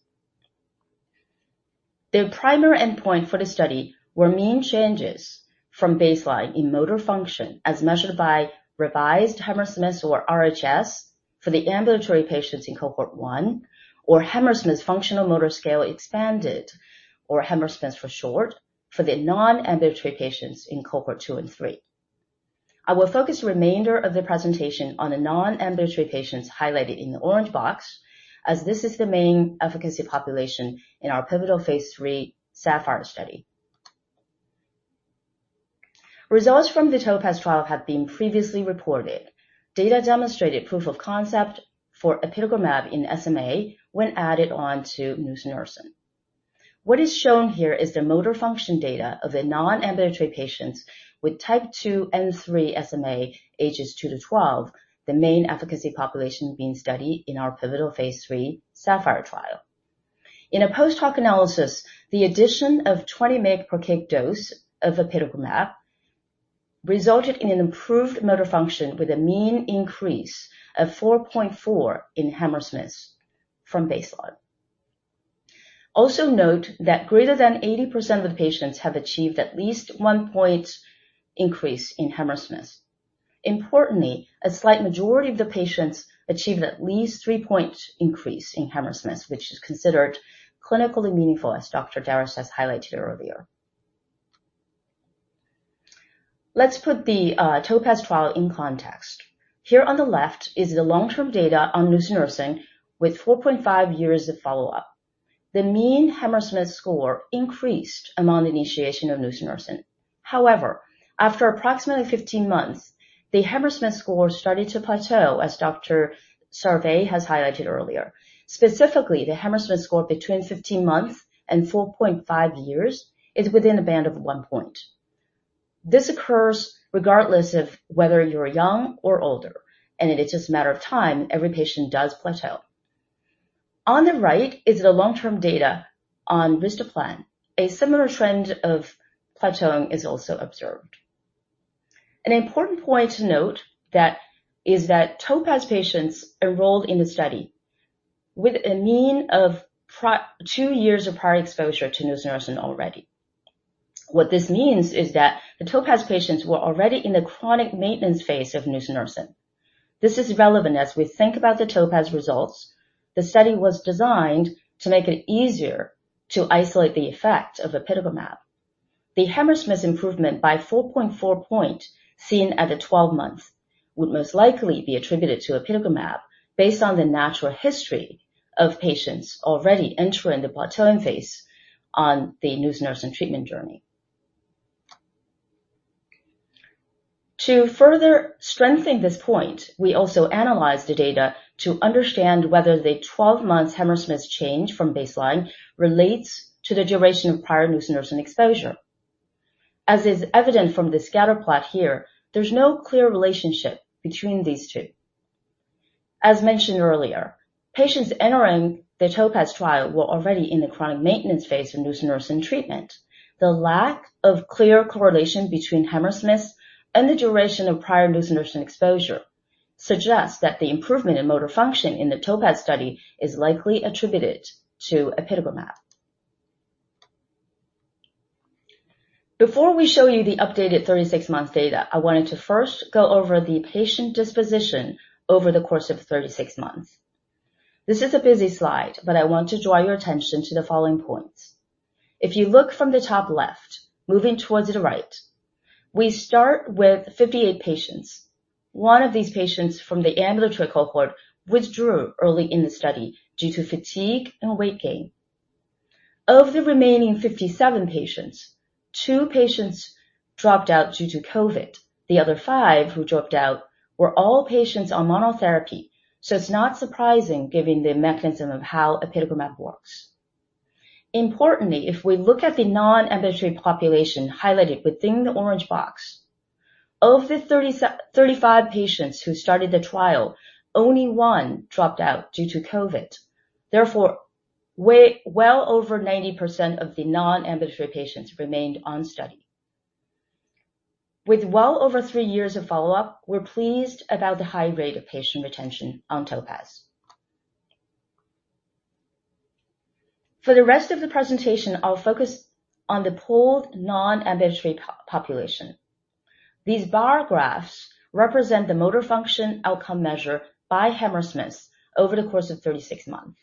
Speaker 6: The primary endpoint for the study were mean changes from baseline in motor function, as measured by Revised Hammersmith or RHS, for the ambulatory patients in cohort one, or Hammersmith Functional Motor Scale Expanded, or Hammersmith for short, for the non-ambulatory patients in cohort two and three. I will focus the remainder of the presentation on the non-ambulatory patients highlighted in the orange box, as this is the main efficacy population in our pivotal phase three SAPPHIRE study. Results from the TOPAZ trial have been previously reported. Data demonstrated proof of concept for apitegromab in SMA when added on to nusinersen. What is shown here is the motor function data of the non-ambulatory patients with type 2 and 3 SMA, ages 2 to 12, the main efficacy population being studied in our pivotal Phase 3 SAPPHIRE trial. In a post-hoc analysis, the addition of 20 mg per kg dose of apitegromab resulted in an improved motor function with a mean increase of 4.4 in Hammersmith from baseline. Note that greater than 80% of the patients have achieved at least one point increase in Hammersmith. Importantly, a slight majority of the patients achieved at least 3 point increase in Hammersmith, which is considered clinically meaningful, as Dr. Darras has highlighted earlier. Let's put the TOPAZ trial in context. Here on the left is the long-term data on nusinersen with 4.5 years of follow-up. The mean Hammersmith score increased among the initiation of nusinersen. After approximately 15 months, the Hammersmith score started to plateau, as Dr. Servais has highlighted earlier. Specifically, the Hammersmith score between 15 months and 4.5 years is within a band of one point. This occurs regardless of whether you're young or older, and it is just a matter of time, every patient does plateau. On the right is the long-term data on risdiplam. A similar trend of plateauing is also observed. An important point to note is that TOPAZ patients enrolled in the study with a mean of two years of prior exposure to nusinersen already. What this means is that the TOPAZ patients were already in the chronic maintenance phase of nusinersen. This is relevant as we think about the TOPAZ results. The study was designed to make it easier to isolate the effect of apitegromab. The Hammersmith improvement by 4.4 seen at the 12 months, would most likely be attributed to apitegromab, based on the natural history of patients already entering the plateauing phase on the nusinersen treatment journey. To further strengthen this point, we also analyzed the data to understand whether the 12 months Hammersmith change from baseline relates to the duration of prior nusinersen exposure. As is evident from the scatter plot here, there's no clear relationship between these two. As mentioned earlier, patients entering the TOPAZ trial were already in the chronic maintenance phase of nusinersen treatment. The lack of clear correlation between Hammersmith and the duration of prior nusinersen exposure suggests that the improvement in motor function in the TOPAZ study is likely attributed to apitegromab. Before we show you the updated 36-month data, I wanted to first go over the patient disposition over the course of 36 months. This is a busy slide, but I want to draw your attention to the following points. If you look from the top left, moving towards the right, we start with 58 patients. One of these patients from the ambulatory cohort withdrew early in the study due to fatigue and weight gain. Of the remaining 57 patients, two patients dropped out due to COVID. The other five who dropped out were all patients on monotherapy, so it's not surprising given the mechanism of how apitegromab works. Importantly, if we look at the non-ambulatory population highlighted within the orange box, of the 35 patients who started the trial, only one dropped out due to COVID. Therefore, well over 90% of the non-ambulatory patients remained on study. With well over 3 years of follow-up, we're pleased about the high rate of patient retention on TOPAZ. For the rest of the presentation, I'll focus on the pooled non-ambulatory population. These bar graphs represent the motor function outcome measure by Hammersmith over the course of 36 months.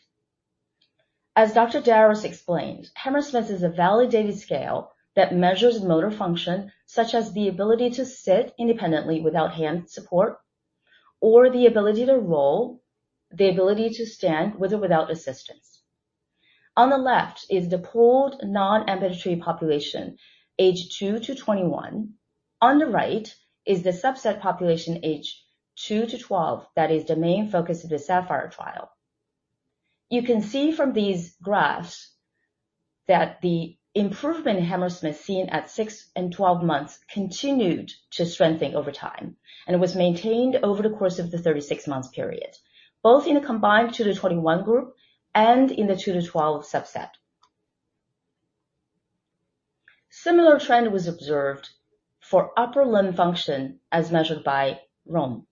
Speaker 6: As Dr. Darras explained, Hammersmith is a validated scale that measures motor function, such as the ability to sit independently without hand support, or the ability to roll, the ability to stand with or without assistance. On the left is the pooled non-ambulatory population, age 2 to 21. On the right is the subset population, age 2-12, that is the main focus of the SAPPHIRE trial. You can see from these graphs that the improvement in Hammersmith, seen at 6 and 12 months, continued to strengthen over time, and was maintained over the course of the 36 months period, both in the combined 2-21 group and in the 2-12 subset. Similar trend was observed for upper limb function, as measured by RULM,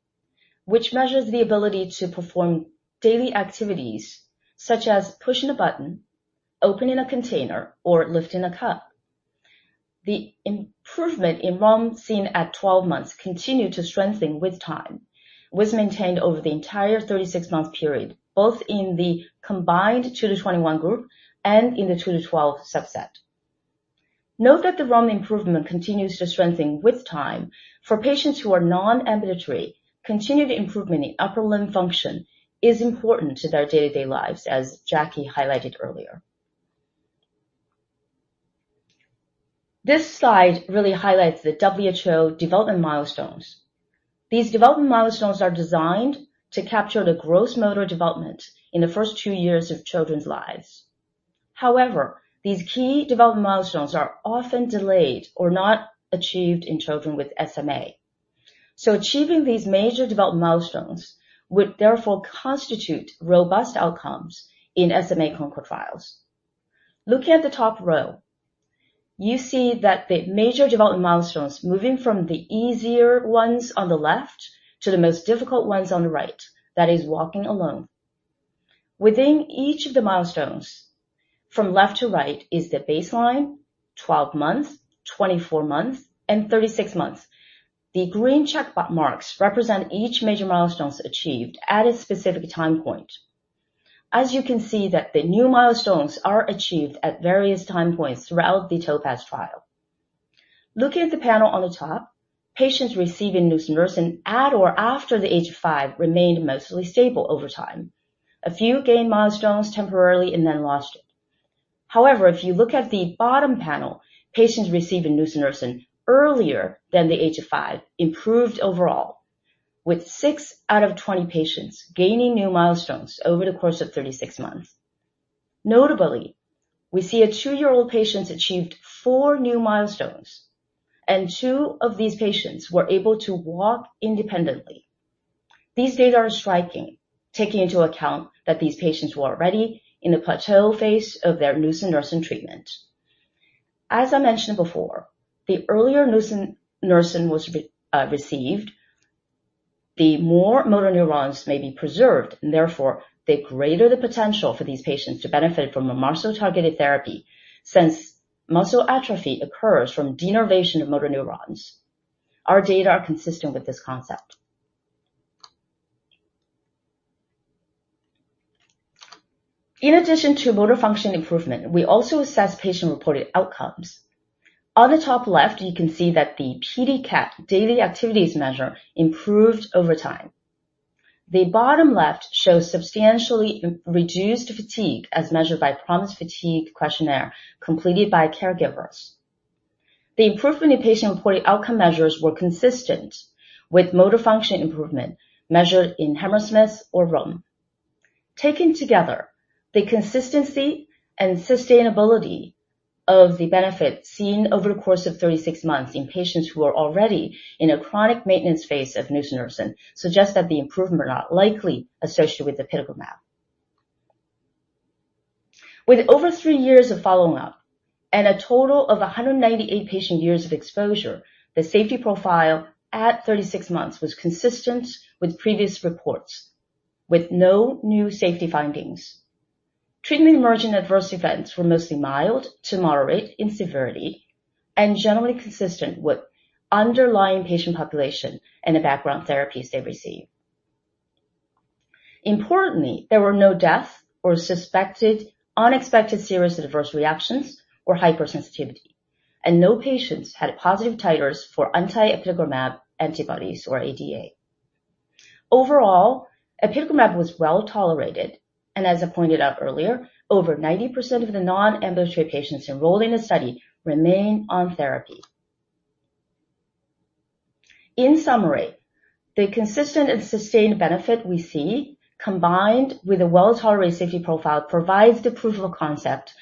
Speaker 6: which measures the ability to perform daily activities such as pushing a button, opening a container, or lifting a cup. The improvement in RULM, seen at 12 months, continued to strengthen with time, was maintained over the entire 36 month period, both in the combined 2-21 group and in the 2-12 subset. Note that the RULM improvement continues to strengthen with time. For patients who are non-ambulatory, continued improvement in upper limb function is important to their day-to-day lives, as Jackie highlighted earlier. This slide really highlights the WHO development milestones. These development milestones are designed to capture the gross motor development in the first two years of children's lives. These key development milestones are often delayed or not achieved in children with SMA. Achieving these major development milestones would therefore constitute robust outcomes in SMA Concorde trials. Looking at the top row, you see that the major development milestones, moving from the easier ones on the left to the most difficult ones on the right, that is walking alone. Within each of the milestones, from left to right, is the baseline, 12 months, 24 months, and 36 months. The green checkmark marks represent each major milestones achieved at a specific time point. As you can see that the new milestones are achieved at various time points throughout the TOPAZ trial. Looking at the panel on the top, patients receiving nusinersen at or after the age of 5 remained mostly stable over time. A few gained milestones temporarily and then lost it. However, if you look at the bottom panel, patients receiving nusinersen earlier than the age of 5 improved overall, with 6 out of 20 patients gaining new milestones over the course of 36 months. Notably, we see a 2-year-old patients achieved 4 new milestones, and two of these patients were able to walk independently. These data are striking, taking into account that these patients were already in the plateau phase of their nusinersen treatment. As I mentioned before, the earlier nusinersen was received, the more motor neurons may be preserved, and therefore, the greater the potential for these patients to benefit from a muscle-targeted therapy. Since muscle atrophy occurs from denervation of motor neurons, our data are consistent with this concept. In addition to motor function improvement, we also assess patient-reported outcomes. On the top left, you can see that the PEDI-CAT daily activities measure improved over time. The bottom left shows substantially reduced fatigue, as measured by PROMIS fatigue questionnaire completed by caregivers. The improvement in patient-reported outcome measures were consistent with motor function improvement measured in Hammersmith or RULM. Taken together, the consistency and sustainability of the benefit seen over the course of 36 months in patients who are already in a chronic maintenance phase of nusinersen, suggest that the improvement are not likely associated with apitegromab. With over 3 years of follow-up and a total of 198 patient years of exposure, the safety profile at 36 months was consistent with previous reports, with no new safety findings. Treatment-emerging adverse events were mostly mild to moderate in severity, and generally consistent with underlying patient population and the background therapies they received. Importantly, there were no deaths or suspected unexpected serious adverse reactions or hypersensitivity, and no patients had positive titers for anti-apitegromab antibodies or ADA. Overall, apitegromab was well tolerated, and as I pointed out earlier, over 90% of the non-ambulatory patients enrolled in the study remain on therapy. In summary, the consistent and sustained benefit we see, combined with a well-tolerated safety profile, provides the proof of concept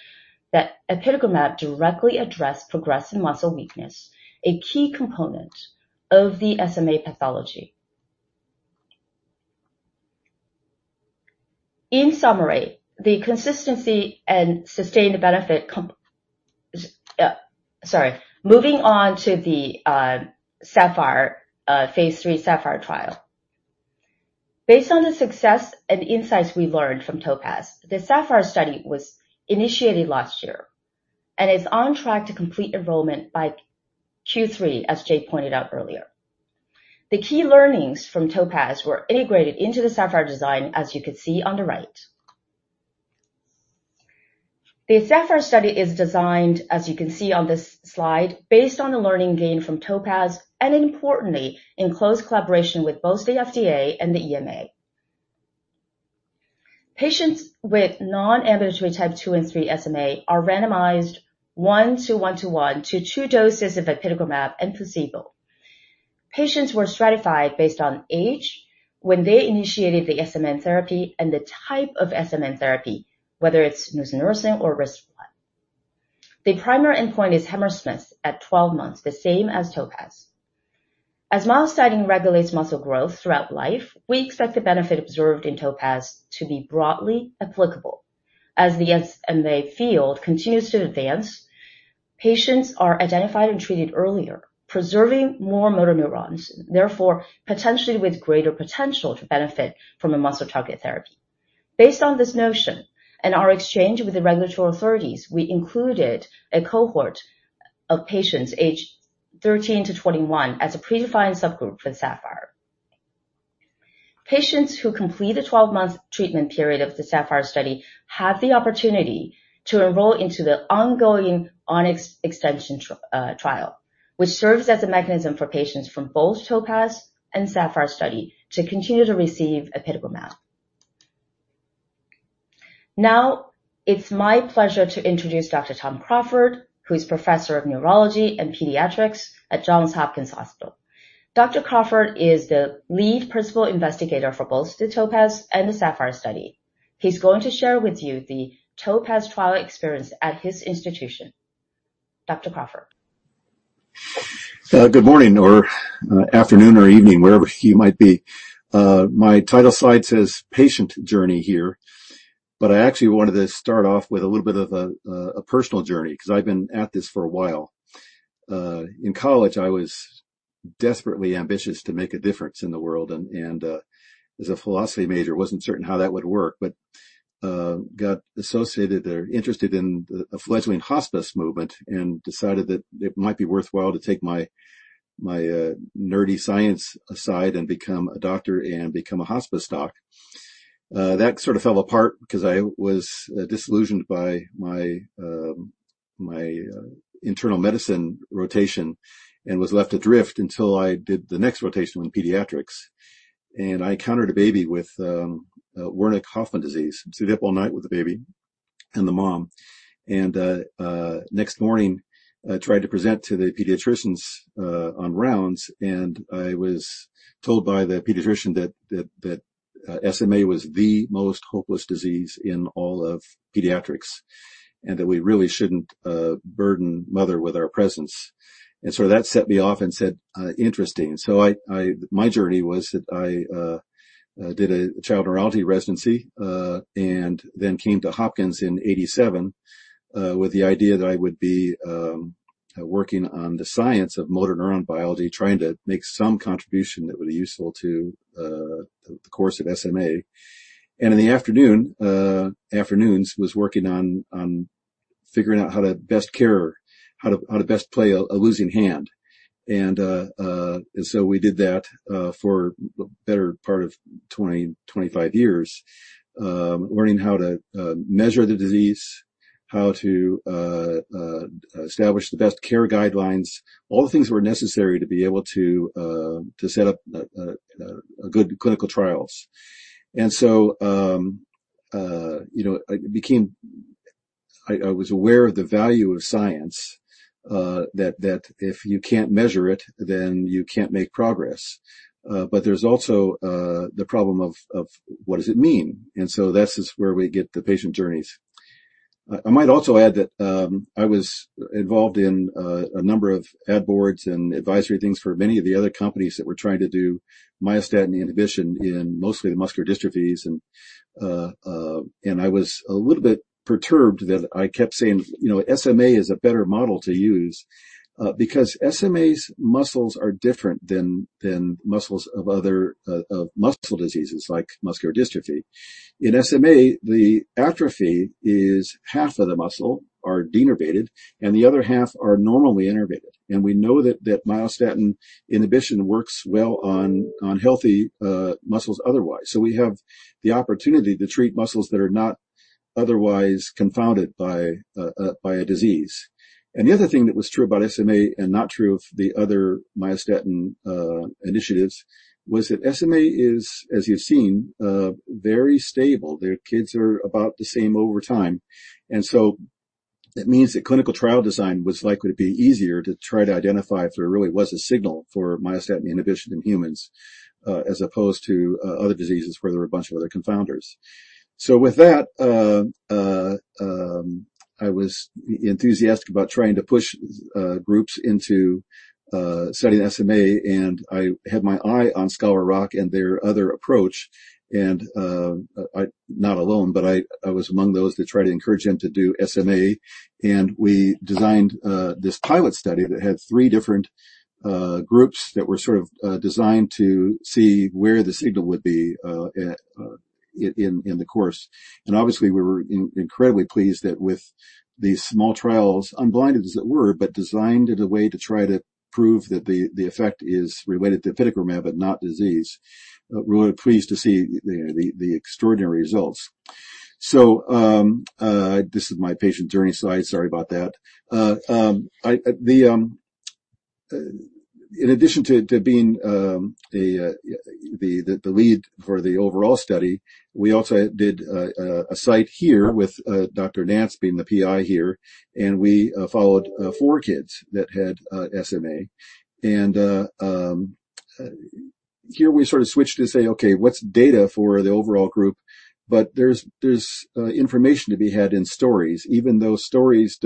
Speaker 6: that apitegromab directly address progressive muscle weakness, a key component of the SMA pathology. In summary, the consistency and sustained benefit. Sorry. Moving on to the phase 3 SAPPHIRE trial. Based on the success and insights we learned from TOPAZ, the SAPPHIRE study was initiated last year and is on track to complete enrollment by Q3, as Jay Backstrom pointed out earlier. The key learnings from TOPAZ were integrated into the SAPPHIRE design, as you can see on the right. The SAPPHIRE study is designed, as you can see on this slide, based on the learning gained from TOPAZ, and importantly, in close collaboration with both the FDA and the EMA. Patients with non-ambulatory Type 2 and 3 SMA are randomized 1 to 1 to 1 to 2 doses of apitegromab and placebo. Patients were stratified based on age when they initiated the SMN therapy and the type of SMN therapy, whether it's nusinersen or risdiplam. The primary endpoint is Hammersmith at 12 months, the same as TOPAZ. As myostatin regulates muscle growth throughout life, we expect the benefit observed in TOPAZ to be broadly applicable. As the SMA field continues to advance, patients are identified and treated earlier, preserving more motor neurons, therefore potentially with greater potential to benefit from a muscle-targeted therapy. Based on this notion and our exchange with the regulatory authorities, we included a cohort of patients aged 13 to 21 as a predefined subgroup for the SAPPHIRE. Patients who complete the 12-month treatment period of the SAPPHIRE study have the opportunity to enroll into the ongoing ONYX extension trial, which serves as a mechanism for patients from both TOPAZ and SAPPHIRE study to continue to receive apitegromab. Now it's my pleasure to introduce Dr. Tom Crawford, who is Professor of Neurology and Pediatrics at Johns Hopkins Medicine. Dr. Crawford is the lead principal investigator for both the TOPAZ and the SAPPHIRE study. He's going to share with you the TOPAZ trial experience at his institution. Dr. Crawford?
Speaker 7: Good morning or afternoon, or evening, wherever you might be. My title slide says "Patient Journey" here, but I actually wanted to start off with a little bit of a personal journey, 'cause I've been at this for a while. In college, I was desperately ambitious to make a difference in the world, and, as a philosophy major, wasn't certain how that would work, but got associated or interested in the fledgling hospice movement and decided that it might be worthwhile to take my, nerdy science aside and become a doctor and become a hospice doc. That sort of fell apart because I was disillusioned by my, internal medicine rotation and was left adrift until I did the next rotation in pediatrics. I encountered a baby with Werdnig-Hoffmann disease. Sit up all night with the baby and the mom. Next morning, tried to present to the pediatricians on rounds. I was told by the pediatrician that SMA was the most hopeless disease in all of pediatrics, and that we really shouldn't burden mother with our presence. That set me off and said, "Interesting." My journey was that I did a child neurology residency, then came to Hopkins in 87 with the idea that I would be working on the science of motor neuron biology, trying to make some contribution that would be useful to the course of SMA. In the afternoon, afternoons, was working on figuring out how to best care or how to best play a losing hand. We did that for the better part of 20-25 years, learning how to measure the disease, how to establish the best care guidelines. All the things that were necessary to be able to set up a good clinical trials. You know, I was aware of the value of science, that if you can't measure it, then you can't make progress. There's also the problem of what does it mean? This is where we get the patient journeys. I might also add that I was involved in a number of ad boards and advisory things for many of the other companies that were trying to do myostatin inhibition in mostly the muscular dystrophies. I was a little bit perturbed that I kept saying, you know, SMA is a better model to use because SMA's muscles are different than muscles of other muscle diseases like muscular dystrophy. In SMA, the atrophy is half of the muscle are denervated, and the other half are normally innervated. We know that myostatin inhibition works well on healthy muscles otherwise. We have the opportunity to treat muscles that are not otherwise confounded by a disease. The other thing that was true about SMA and not true of the other myostatin initiatives, was that SMA is, as you've seen, very stable. Their kids are about the same over time. That means that clinical trial design was likely to be easier to try to identify if there really was a signal for myostatin inhibition in humans, as opposed to other diseases where there were a bunch of other confounders. With that, I was enthusiastic about trying to push groups into studying SMA, and I had my eye on Scholar Rock and their other approach. Not alone, but I was among those that tried to encourage them to do SMA. We designed this pilot study that had three different groups that were sort of designed to see where the signal would be in the course. Obviously, we were incredibly pleased that with these small trials, unblinded as it were, but designed in a way to try to prove that the effect is related to apitegromab, but not disease. Really pleased to see the extraordinary results. This is my patient journey slide. Sorry about that. I, in addition to being the lead for the overall study, we also did a site here with Dr. Nance being the PI here, and we followed four kids that had SMA. Here we sort of switched to say, "Okay, what's data for the overall group?" There's, there's information to be had in stories, even though stories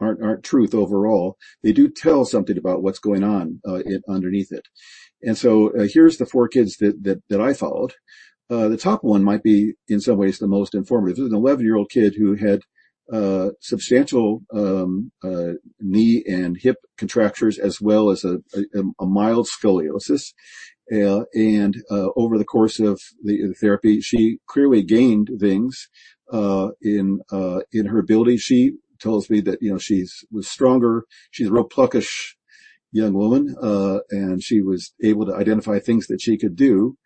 Speaker 7: aren't truth overall, they do tell something about what's going on, it underneath it. Here's the four kids that I followed. The top one might be, in some ways, the most informative. This is an 11-year-old kid who had substantial knee and hip contractures, as well as a mild scoliosis. Over the course of the therapy, she clearly gained things in her ability. She tells me that, you know, was stronger. She's a real pluckish young woman, and she was able to identify things that she could do.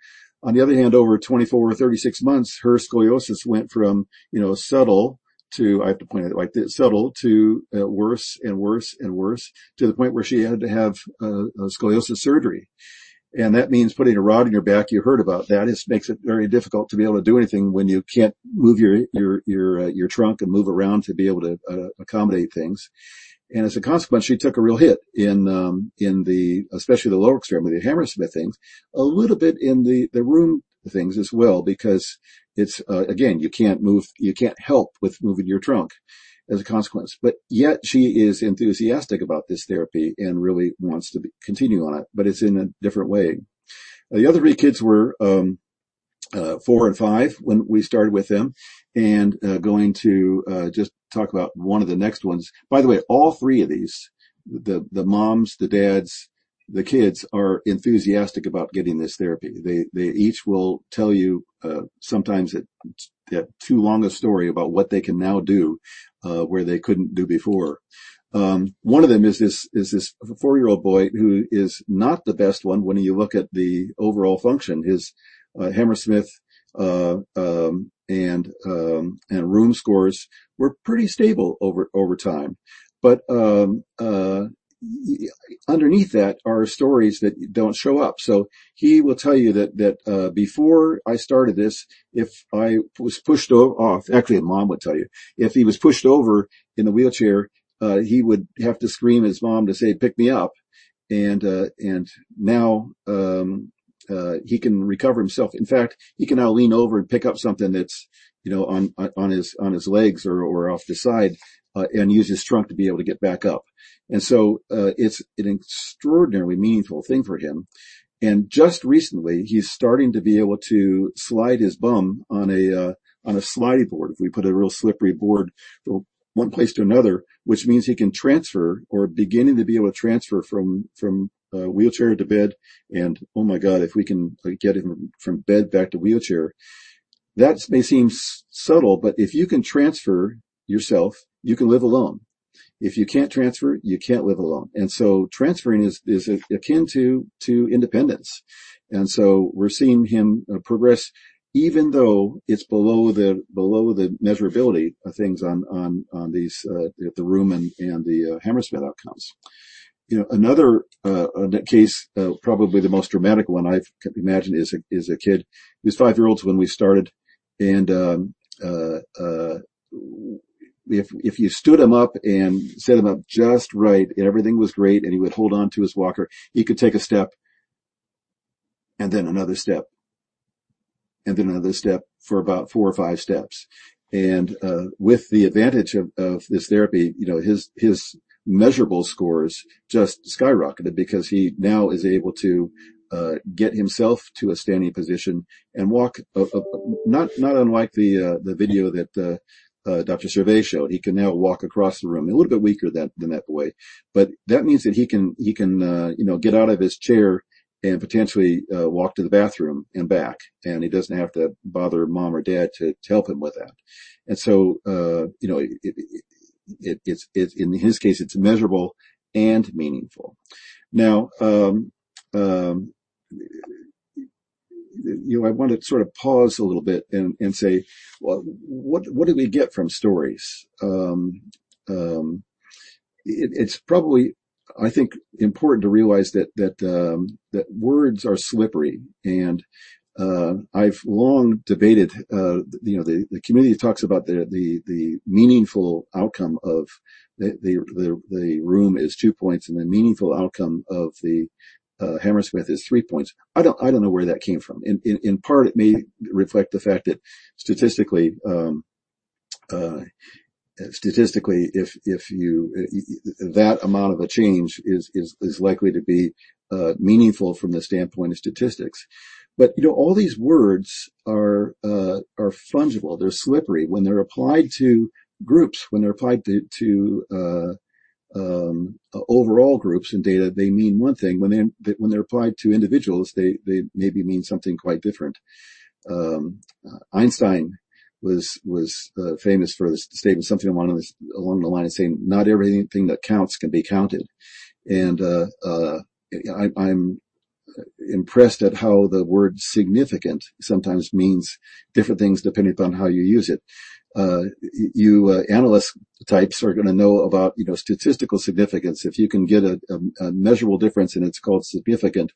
Speaker 7: On the other hand, over 24 to 36 months, her scoliosis went from, you know, subtle to, I have to point at it like this, subtle to worse and worse and worse, to the point where she had to have a scoliosis surgery. That means putting a rod in your back. You heard about that. It makes it very difficult to be able to do anything when you can't move your, your trunk and move around to be able to accommodate things. As a consequence, she took a real hit in the especially the lower extremity, the Hammersmith things, a little bit in the RULM things as well, because it's again, you can't help with moving your trunk as a consequence. Yet she is enthusiastic about this therapy and really wants to be continue on it, but it's in a different way. The other 3 kids were 4 and 5 when we started with them, going to just talk about one of the next ones. By the way, all 3 of these, the moms, the dads, the kids are enthusiastic about getting this therapy. They each will tell you a too long a story about what they can now do where they couldn't do before. One of them is this 4-year-old boy who is not the best one when you look at the overall function. His Hammersmith and RULM scores were pretty stable over time. Underneath that are stories that don't show up. He will tell you that, "Before I started this, if I was pushed over..." Actually, his mom would tell you. If he was pushed over in the wheelchair, he would have to scream at his mom to say, "Pick me up." Now, he can recover himself. In fact, he can now lean over and pick up something that's, you know, on his legs or off the side, and use his trunk to be able to get back up. It's an extraordinarily meaningful thing for him. Just recently, he's starting to be able to slide his bum on a, on a slidey board. We put a real slippery board from one place to another, which means he can transfer or beginning to be able to transfer from wheelchair to bed, and oh my God, if we can get him from bed back to wheelchair. That may seem subtle, but if you can transfer yourself, you can live alone. If you can't transfer, you can't live alone. Transferring is akin to independence. We're seeing him progress, even though it's below the measurability of things on these the RULM and the Hammersmith outcomes. You know, another case, probably the most dramatic one I can imagine, is a kid. He was five years old when we started, and if you stood him up and set him up just right, everything was great, and he would hold on to his walker. He could take a step. And then another step, and then another step for about four or five steps. With the advantage of this therapy, you know, his measurable scores just skyrocketed because he now is able to get himself to a standing position and walk not unlike the video that Dr. Servais showed. He can now walk across the RULM, a little bit weaker than that way. That means that he can, you know, get out of his chair and potentially, walk to the bathroom and back, and he doesn't have to bother mom or dad to help him with that. You know, in his case, it's measurable and meaningful. Now, you know, I want to sort of pause a little bit and say: Well, what did we get from stories? It's probably, I think, important to realize that words are slippery and I've long debated, you know, the community talks about the meaningful outcome of the RULM is 2 points, and the meaningful outcome of the Hammersmith is 3 points. I don't know where that came from. In part, it may reflect the fact that statistically, That amount of a change is likely to be meaningful from the standpoint of statistics. You know, all these words are fungible. They're slippery. When they're applied to groups, when they're applied to overall groups and data, they mean one thing. When they're applied to individuals, they maybe mean something quite different. Einstein was famous for stating something along the lines of saying, "Not everything that counts can be counted." I'm impressed at how the word significant sometimes means different things depending upon how you use it. You analyst types are gonna know about, you know, statistical significance. If you can get a measurable difference, then it's called significant.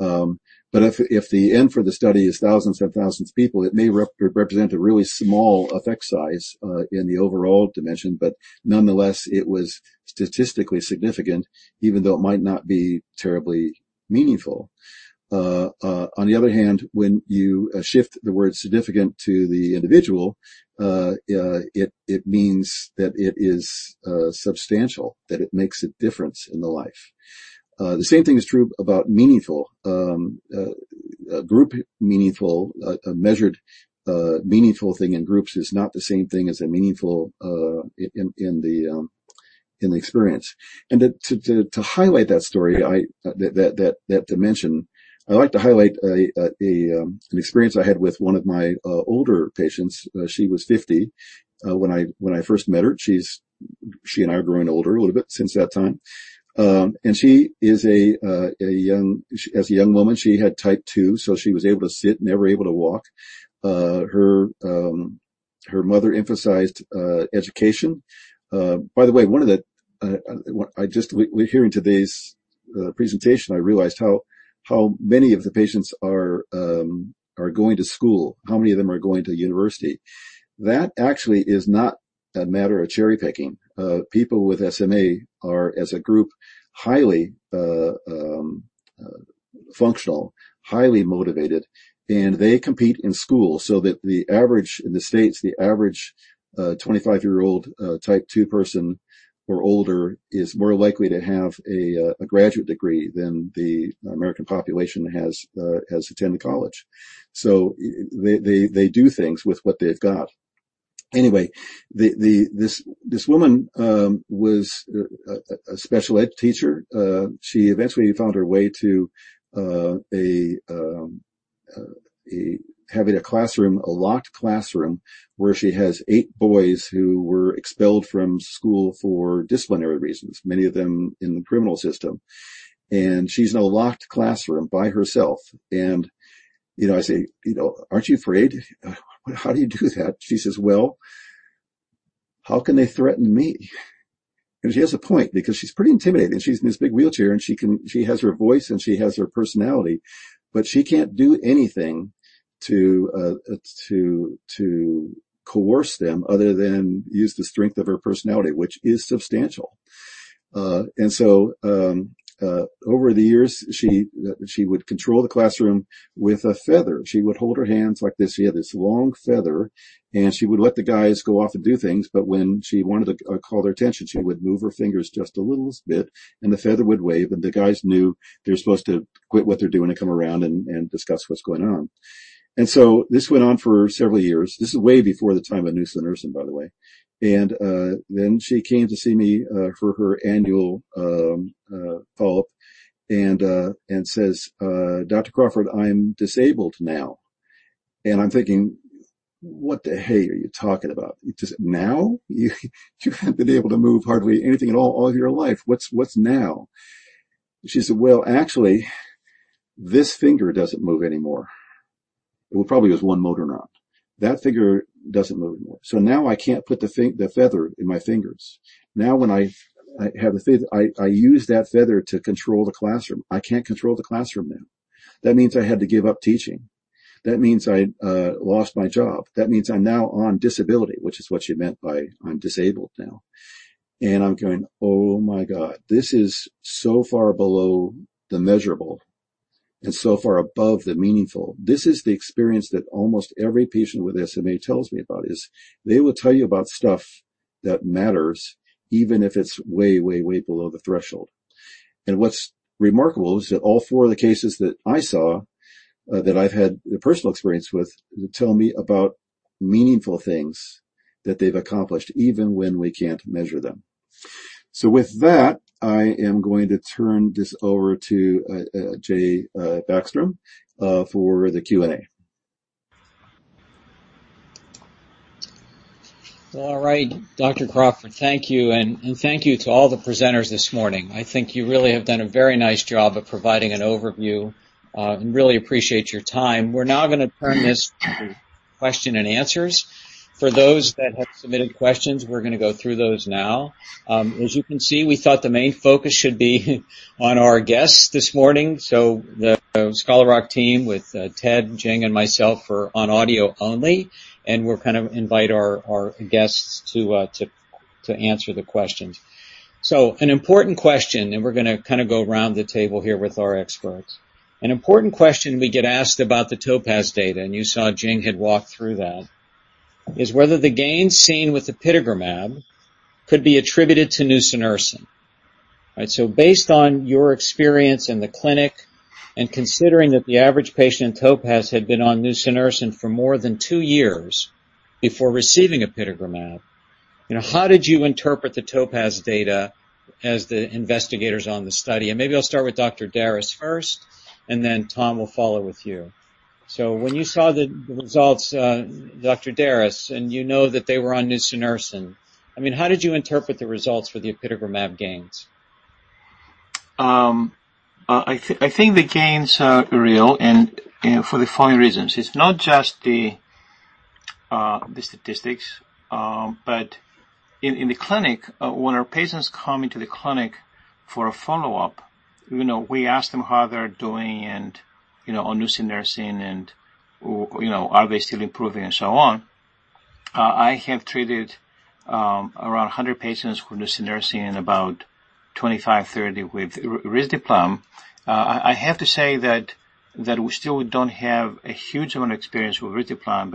Speaker 7: If the N for the study is thousands and thousands of people, it may represent a really small effect size in the overall dimension, but nonetheless, it was statistically significant, even though it might not be terribly meaningful. On the other hand, when you shift the word significant to the individual, it means that it is substantial, that it makes a difference in the life. The same thing is true about meaningful. Group meaningful, a measured meaningful thing in groups is not the same thing as a meaningful in the experience. To highlight that story, I... That dimension, I'd like to highlight an experience I had with one of my older patients. She was 50 when I first met her. She and I are growing older a little bit since that time. She is a young woman, she had Type 2, so she was able to sit, never able to walk. Her mother emphasized education. By the way, one of the, I just hearing today's presentation, I realized how many of the patients are going to school, how many of them are going to university. That actually is not a matter of cherry-picking. People with SMA are, as a group, highly functional, highly motivated, and they compete in school so that the average in the States, the average 25-year-old Type 2 person or older is more likely to have a graduate degree than the American population has attended college. They do things with what they've got. Anyway, this woman was a special ed teacher. She eventually found her way to a having a classroom, a locked classroom, where she has eight boys who were expelled from school for disciplinary reasons, many of them in the criminal system. She's in a locked classroom by herself. You know, I say, "You know, aren't you afraid? How do you do that?" She says, "Well, how can they threaten me?" She has a point because she's pretty intimidating. She's in this big wheelchair, and she has her voice and she has her personality, but she can't do anything to coerce them other than use the strength of her personality, which is substantial. Over the years, she would control the classroom with a feather. She would hold her hands like this. She had this long feather, and she would let the guys go off and do things, but when she wanted to call their attention, she would move her fingers just a little bit, and the feather would wave, and the guys knew they're supposed to quit what they're doing and come around and discuss what's going on. This went on for several years. This is way before the time of nusinersen, by the way. Then she came to see me for her annual follow-up and says, "Dr. Crawford, I'm disabled now." I'm thinking: What the hey are you talking about? Just now? You haven't been able to move hardly anything at all all your life. What's now? She said, "Well, actually, this finger doesn't move anymore." Well, probably has one motor neuron. "That finger doesn't move anymore. So now I can't put the feather in my fingers. Now, when I have the feather I use that feather to control the classroom. I can't control the classroom now. That means I had to give up teaching." That means I lost my job. That means I'm now on disability, which is what she meant by, "I'm disabled now." I'm going: Oh, my God! This is so far below the measurable and so far above the meaningful. This is the experience that almost every patient with SMA tells me about, is they will tell you about stuff that matters, even if it's way, way below the threshold. What's remarkable is that all four of the cases that I saw, that I've had personal experience with, tell me about meaningful things that they've accomplished, even when we can't measure them. With that, I am going to turn this over to Jay Backstrom for the Q&A.
Speaker 2: All right, Dr. Crawford, thank you, and thank you to all the presenters this morning. I think you really have done a very nice job of providing an overview, and really appreciate your time. We're now gonna turn this to question and answers. For those that have submitted questions, we're gonna go through those now. As you can see, we thought the main focus should be on our guests this morning. The Scholar Rock team with Ted, Jing, and myself are on audio only, and we'll kind of invite our guests to answer the questions. An important question, and we're gonna kinda go around the table here with our experts. An important question we get asked about the TOPAZ data, you saw Jing had walked through that, is whether the gains seen with apitegromab could be attributed to nusinersen. Right, based on your experience in the clinic and considering that the average patient in TOPAZ had been on nusinersen for more than two years before receiving apitegromab, you know, how did you interpret the TOPAZ data as the investigators on the study? Maybe I'll start with Dr. Darras first, then, Tom, we'll follow with you. When you saw the results, Dr. Darras, and you know that they were on nusinersen, I mean, how did you interpret the results for the apitegromab gains?
Speaker 3: I think the gains are real, and for the following reasons: It's not just the statistics, but in the clinic, when our patients come into the clinic for a follow-up, you know, we ask them how they're doing and, you know, on nusinersen and you know, are they still improving and so on. I have treated around 100 patients with nusinersen and about 25, 30 with risdiplam. I have to say that we still don't have a huge amount of experience with risdiplam,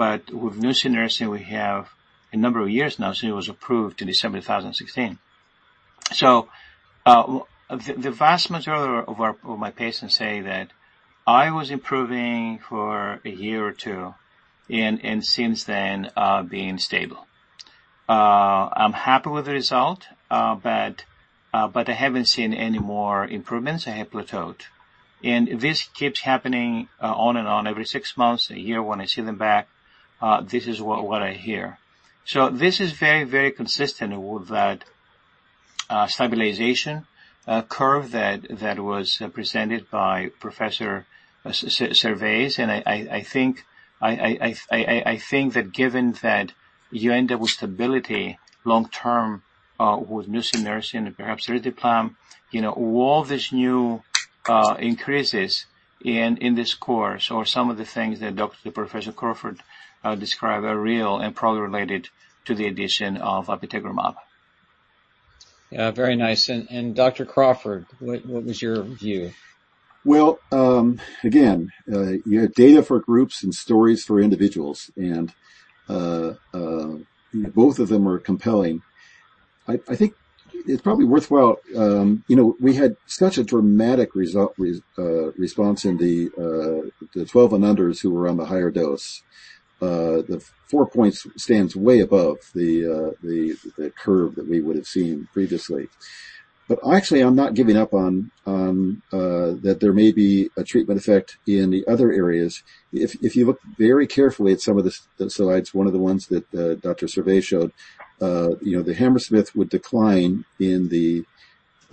Speaker 3: but with nusinersen we have a number of years now, since it was approved in December 2016. The vast majority of our, of my patients say that, "I was improving for a year or two and since then, being stable. I'm happy with the result, but I haven't seen any more improvements. I have plateaued." This keeps happening on and on. Every 6 months, a year, when I see them back, this is what I hear. This is very, very consistent with that stabilization curve that was presented by Professor Servais. I think that given that you end up with stability long term with nusinersen and perhaps risdiplam, you know, all these new increases in this course or some of the things that Dr. Professor Crawford described are real and probably related to the addition of apitegromab.
Speaker 2: Yeah, very nice. Dr. Crawford, what was your view?
Speaker 7: Again, you have data for groups and stories for individuals, and both of them are compelling. I think it's probably worthwhile. You know, we had such a dramatic result, response in the the 12 and unders who were on the higher dose. The 4 points stands way above the the curve that we would have seen previously. Actually, I'm not giving up on that there may be a treatment effect in the other areas. If, if you look very carefully at some of the slides, one of the ones that Dr. Servais showed, you know, the Hammersmith would decline in the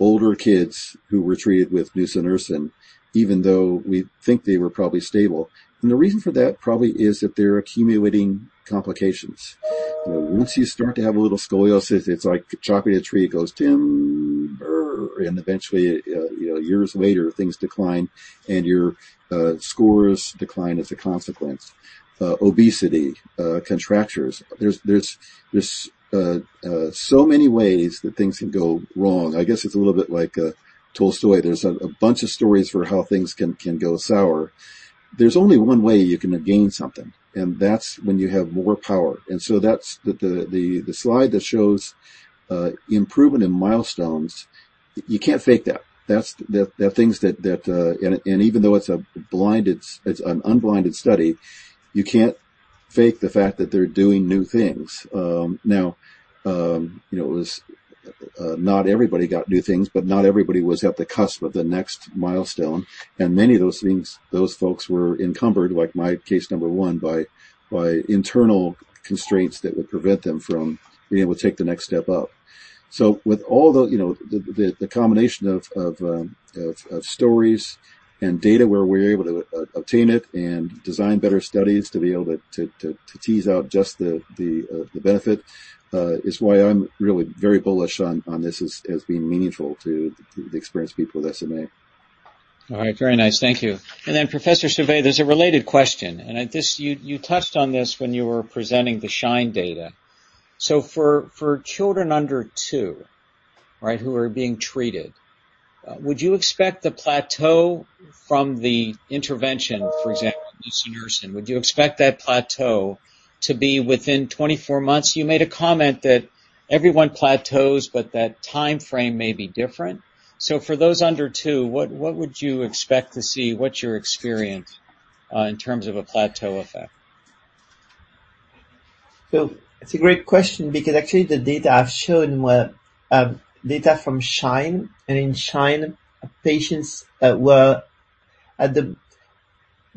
Speaker 7: older kids who were treated with nusinersen, even though we think they were probably stable. The reason for that probably is that they're accumulating complications. You know, once you start to have a little scoliosis, it's like chopping a tree. It goes, timber, and eventually, you know, years later, things decline, and your scores decline as a consequence. Obesity, contractures, there's so many ways that things can go wrong. I guess it's a little bit like Tolstoy. There's a bunch of stories for how things can go sour. There's only one way you can gain something, and that's when you have more power. That's the slide that shows improvement in milestones, you can't fake that. That's the things that... Even though it's an unblinded study, you can't fake the fact that they're doing new things. Now, you know, it was not everybody got new things, but not everybody was at the cusp of the next milestone. Many of those things, those folks were encumbered, like my case number one, by internal constraints that would prevent them from being able to take the next step up. With all the, you know, the combination of stories and data where we're able to obtain it and design better studies to be able to tease out just the benefit is why I'm really very bullish on this as being meaningful to the experienced people with SMA.
Speaker 2: All right, very nice. Thank you. Professor Servais, there's a related question. You touched on this when you were presenting the SHINE data. For children under two, right, who are being treated, would you expect the plateau from the intervention, for example, nusinersen, would you expect that plateau to be within 24 months? You made a comment that everyone plateaus, but that timeframe may be different. For those under two, what would you expect to see? What's your experience in terms of a plateau effect?
Speaker 4: It's a great question because actually the data I've shown were, data from SHINE, and in SHINE, patients, were at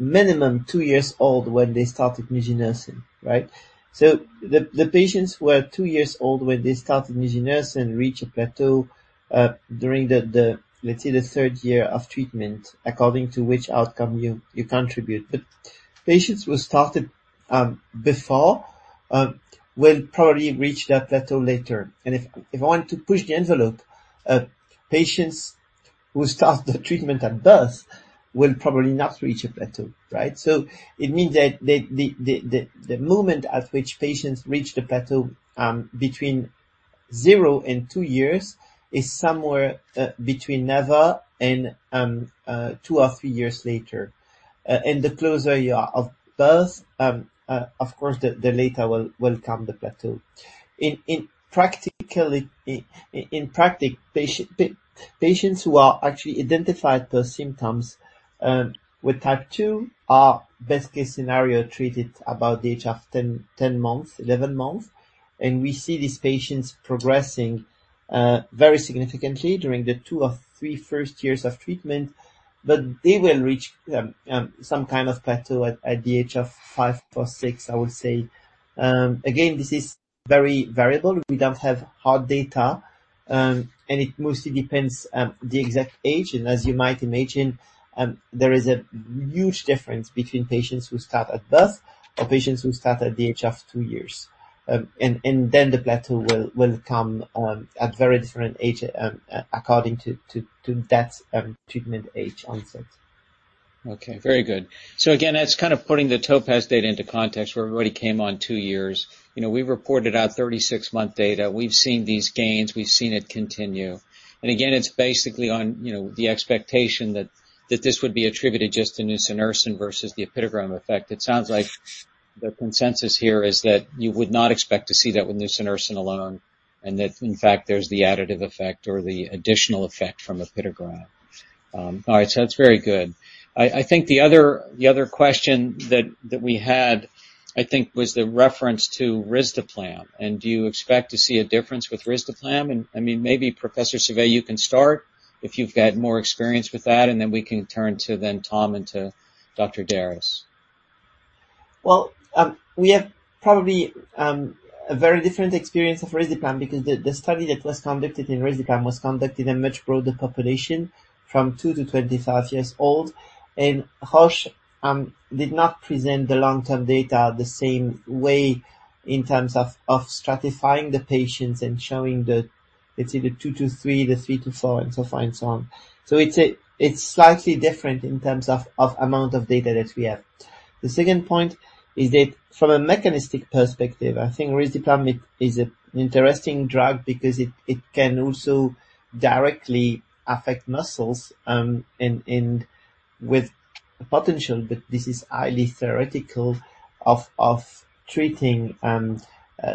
Speaker 4: the minimum two years old when they started nusinersen, right? The patients were two years old when they started nusinersen and reached a plateau, during the 3rd year of treatment, according to which outcome you contribute. Patients who started, before, will probably reach that plateau later. If I want to push the envelope, patients who start the treatment at birth will probably not reach a plateau, right? It means that the moment at which patients reach the plateau, between zero and two years is somewhere, between never and, two or three years later. The closer you are of birth, of course, the later will come the plateau. In practically, in practice, patients who are actually identified those symptoms with type 2 are best case scenario, treated about the age of 10 months, 11 months. We see these patients progressing very significantly during the two or three first years of treatment, they will reach some kind of plateau at the age of 5 or 6, I would say. Again, this is very variable. We don't have hard data, it mostly depends on the exact age. As you might imagine, there is a huge difference between patients who start at birth or patients who start at the age of two years. The plateau will come on at very different age, according to that treatment age onset.
Speaker 2: Okay, very good. Again, that's kind of putting the TOPAZ data into context where everybody came on two years. You know, we reported our 36-month data. We've seen these gains, we've seen it continue. Again, it's basically on, you know, the expectation that this would be attributed just to nusinersen versus the apitegromab effect. It sounds like the consensus here is that you would not expect to see that with nusinersen alone, and that, in fact, there's the additive effect or the additional effect from apitegromab. All right, that's very good. I think the other question that we had, I think, was the reference to risdiplam, and do you expect to see a difference with risdiplam? I mean, maybe Professor Servais, you can start if you've had more experience with that, and then we can turn to then Tom and to Dr. Darras.
Speaker 4: Well, we have probably, a very different experience of risdiplam because the study that was conducted in risdiplam was conducted in a much broader population from 2 to 25 years old. Roche, did not present the long-term data the same way in terms of stratifying the patients and showing the, let's say, the two to thee, the three to four, and so forth and so on. It's slightly different in terms of amount of data that we have. The second point is that from a mechanistic perspective, I think risdiplam is a, an interesting drug because it can also directly affect muscles, and with potential, but this is highly theoretical, of treating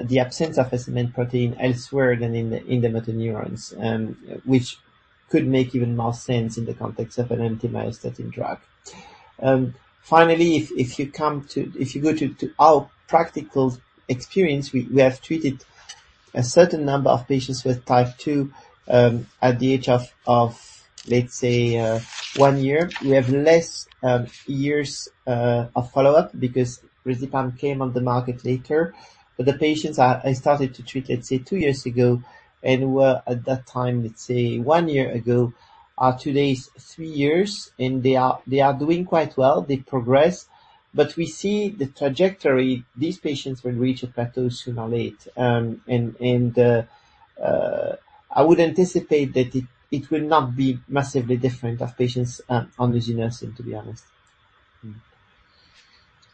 Speaker 4: the absence of a SMN protein elsewhere than in the motor neurons, which could make even more sense in the context of an anti-myostatin drug. Finally, if you go to our practical experience, we have treated a certain number of patients with type 2, at the age of, let's say, one year. We have less years of follow-up because risdiplam came on the market later. The patients I started to treat, let's say, two years ago and were at that time, let's say, one year ago, are today three years, and they are doing quite well, they progress. We see the trajectory. These patients will reach a plateau sooner or later. I would anticipate that it will not be massively different of patients on nusinersen, to be honest.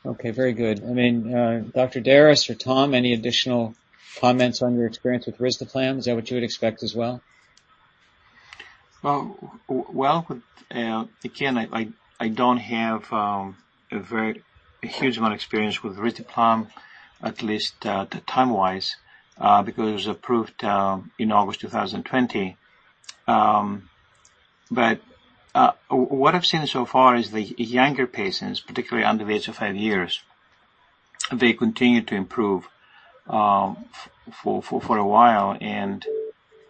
Speaker 2: Mm-hmm. Okay, very good. I mean, Dr. Darras or Tom, any additional comments on your experience with risdiplam? Is that what you would expect as well?
Speaker 3: Well, again, I don't have a very, a huge amount of experience with risdiplam, at least, the time-wise, because it was approved in August 2020. What I've seen so far is the younger patients, particularly under the age of five years, they continue to improve for a while and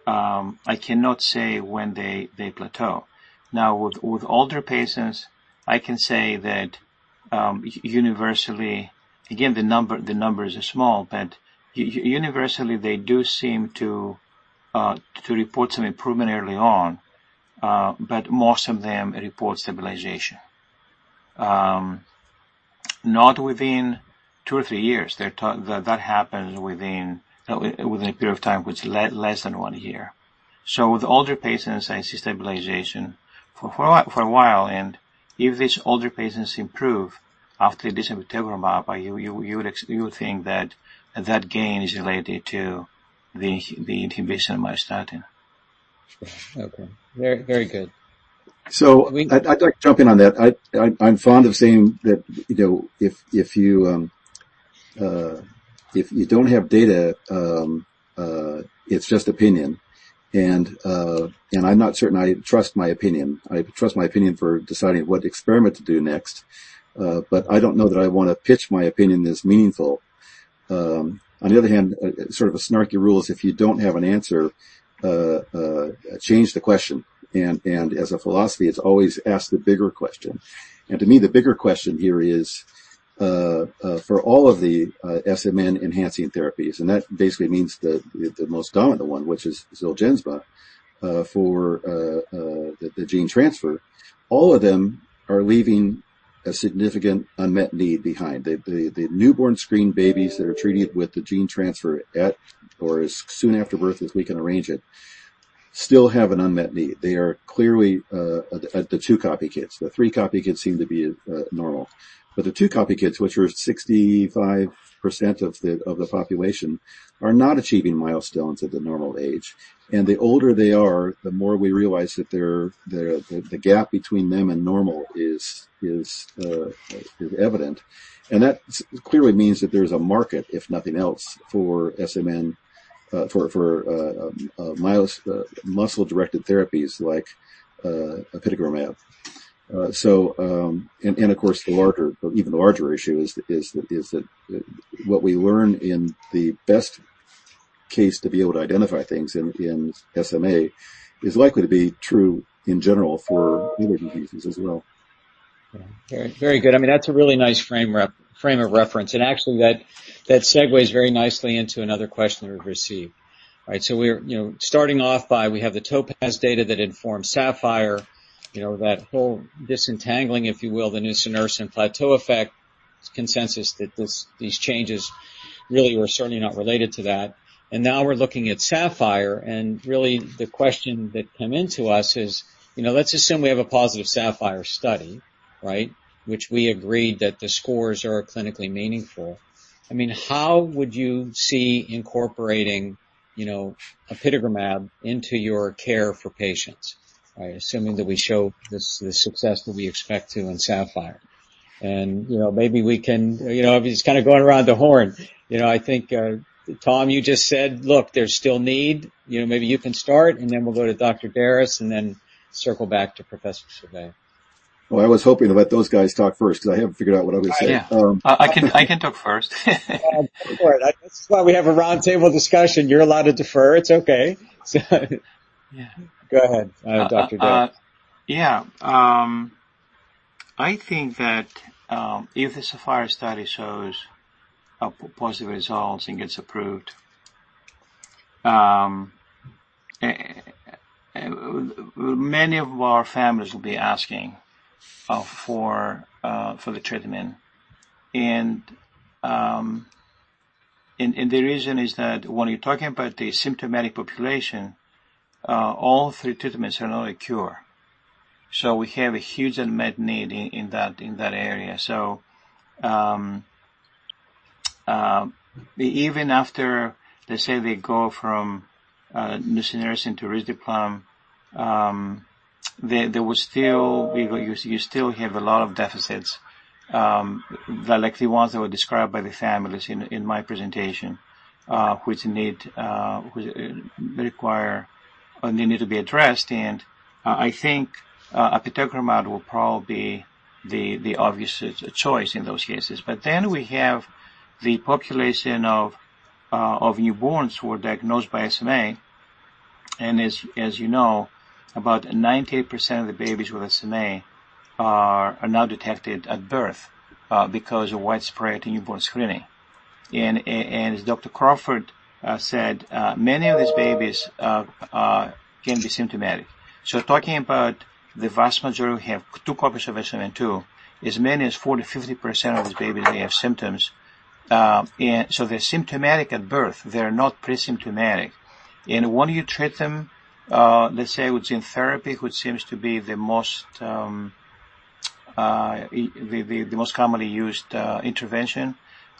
Speaker 3: I cannot say when they plateau. Now, with older patients, I can say that universally, again, the numbers are small, but universally, they do seem to report some improvement early on, but most of them report stabilization. Not within two or three years. That happens within a period of time, which is less than one year. With older patients, I see stabilization for a while. If these older patients improve after apitegromab, you would think that that gain is related to the inhibition of myostatin.
Speaker 2: Okay. Very, very good.
Speaker 7: So-
Speaker 2: I mean-
Speaker 7: I'd like to jump in on that. I'm fond of saying that, you know, if you don't have data, it's just opinion. I'm not certain I trust my opinion. I trust my opinion for deciding what experiment to do next, but I don't know that I wanna pitch my opinion as meaningful. On the other hand, sort of a snarky rule is, if you don't have an answer, change the question. As a philosophy, it's always ask the bigger question. To me, the bigger question here is, for all of the SMN enhancing therapies, and that basically means the most dominant one, which is Zolgensma, for the gene transfer. All of them are leaving a significant unmet need behind. The newborn screen babies that are treated with the gene transfer at or as soon after birth as we can arrange it, still have an unmet need. They are clearly, the two copycats. The three copycats seem to be normal, but the two copycats, which are 65% of the population, are not achieving milestones at the normal age. The older they are, the more we realize that the gap between them and normal is evident. That clearly means that there's a market, if nothing else, for SMN, for, muscle-directed therapies like apitegromab. Of course, the larger, even the larger issue is that, what we learn in the best case to be able to identify things in SMA, is likely to be true in general for other diseases as well.
Speaker 2: Yeah. Very, very good. I mean, that's a really nice frame of reference, and actually, that segues very nicely into another question we've received. All right, so we're, you know, starting off by we have the TOPAZ data that informed SAPPHIRE, you know, that whole disentangling, if you will, the nusinersen plateau effect consensus that these changes really were certainly not related to that. Now we're looking at SAPPHIRE, and really, the question that came in to us is, you know, let's assume we have a positive SAPPHIRE study, right? Which we agreed that the scores are clinically meaningful. I mean, how would you see incorporating, you know, apitegromab into your care for patients, right? Assuming that we show the success that we expect to in SAPPHIRE. You know, maybe we can... You know, just kinda going around the horn. You know, I think, Tom, you just said, "Look, there's still need." You know, maybe you can start, and then we'll go to Dr. Darras, and then circle back to Professor Servais.
Speaker 7: I was hoping to let those guys talk first because I haven't figured out what I would say.
Speaker 3: Yeah.
Speaker 7: Um-
Speaker 3: I can talk first.
Speaker 2: Go for it. That's why we have a roundtable discussion. You're allowed to defer. It's okay.
Speaker 3: Yeah.
Speaker 2: Go ahead, Dr. Darras.
Speaker 3: Yeah. I think that if the SAPPHIRE study shows positive results and gets approved, many of our families will be asking for the treatment. The reason is that when you're talking about the symptomatic population, all three treatments are not a cure. We have a huge unmet need in that area. Even after, let's say, they go from nusinersen to risdiplam, you still have a lot of deficits like the ones that were described by the families in my presentation, which need, which require or they need to be addressed. I think apitegromab will probably be the obvious choice in those cases. We have the population of newborns who are diagnosed by SMA, as you know, about 98% of the babies with SMA are now detected at birth because of widespread newborn screening. As Dr. Crawford said, many of these babies can be symptomatic. Talking about the vast majority have two copies of SMN2, as many as 40%-50% of those babies may have symptoms. They're symptomatic at birth. They're not presymptomatic. When you treat them, let's say with gene therapy, which seems to be the most commonly used intervention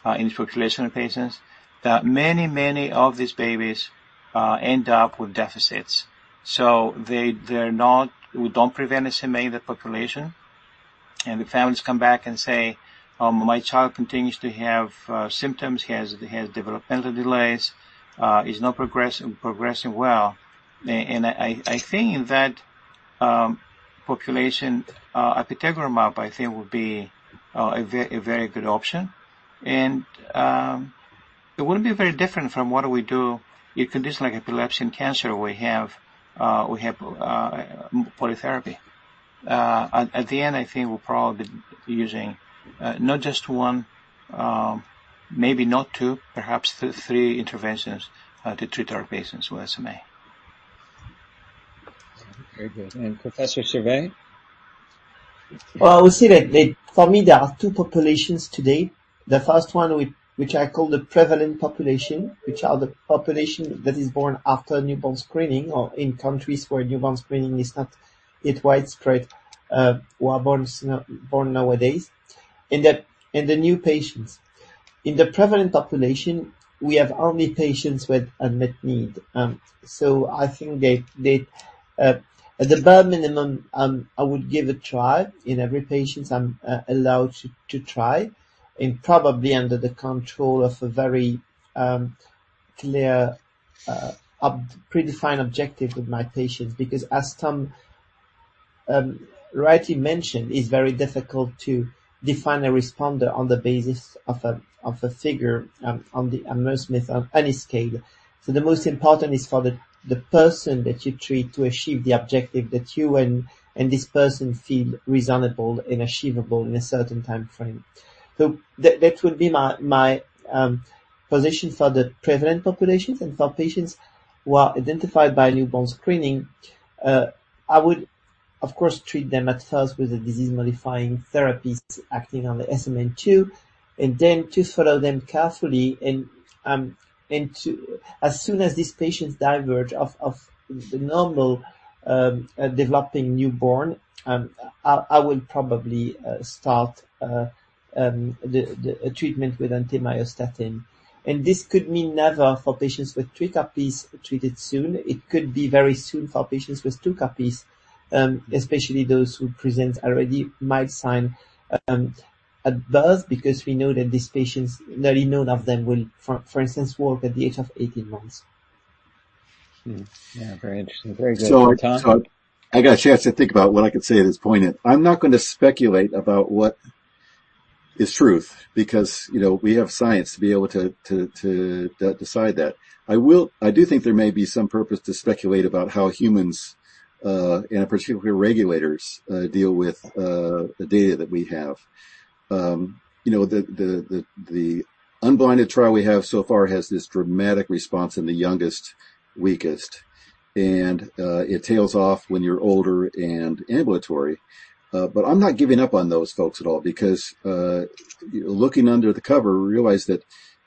Speaker 3: in this population of patients, that many of these babies end up with deficits. We don't prevent SMA in the population, and the families come back and say, "My child continues to have symptoms. He has developmental delays, he's not progressing well." I think in that population, apitegromab, I think, would be a very good option. It wouldn't be very different from what do we do in conditions like epilepsy and cancer, we have polytherapy. At the end, I think we're probably using not just one, maybe not two, perhaps three interventions to treat our patients with SMA.
Speaker 2: Very good. Professor Servais?
Speaker 4: Well, I would say that they, for me, there are two populations today. The first one, which I call the prevalent population, which are the population that is born after newborn screening or in countries where newborn screening is not yet widespread, who are born nowadays, and the new patients. In the prevalent population, we have only patients with unmet need. I think they, at the bare minimum, I would give a try in every patient I'm allowed to try, and probably under the control of a very clear predefined objective with my patients. As Tom rightly mentioned, it's very difficult to define a responder on the basis of a, of a figure, on the Hammersmith on any scale. The most important is for the person that you treat to achieve the objective that you and this person feel reasonable and achievable in a certain time frame. That would be my position for the prevalent populations and for patients who are identified by newborn screening. I would, of course, treat them at first with a disease-modifying therapies acting on the SMN2, and then just follow them carefully and as soon as these patients diverge of the normal developing newborn, I will probably start the treatment with anti-myostatin. This could mean never for patients with 3 copies treated soon. It could be very soon for patients with two copies, especially those who present already mild sign, at birth, because we know that these patients, very none of them will, for instance, walk at the age of 18 months.
Speaker 2: Yeah, very interesting. Very good. Tom?
Speaker 7: I got a chance to think about what I could say at this point, and I'm not gonna speculate about what is truth because, you know, we have science to be able to decide that. I do think there may be some purpose to speculate about how humans, and particularly regulators, deal with the data that we have. You know, the unblinded trial we have so far has this dramatic response in the youngest, weakest, and it tails off when you're older and ambulatory. I'm not giving up on those folks at all because looking under the cover, we realized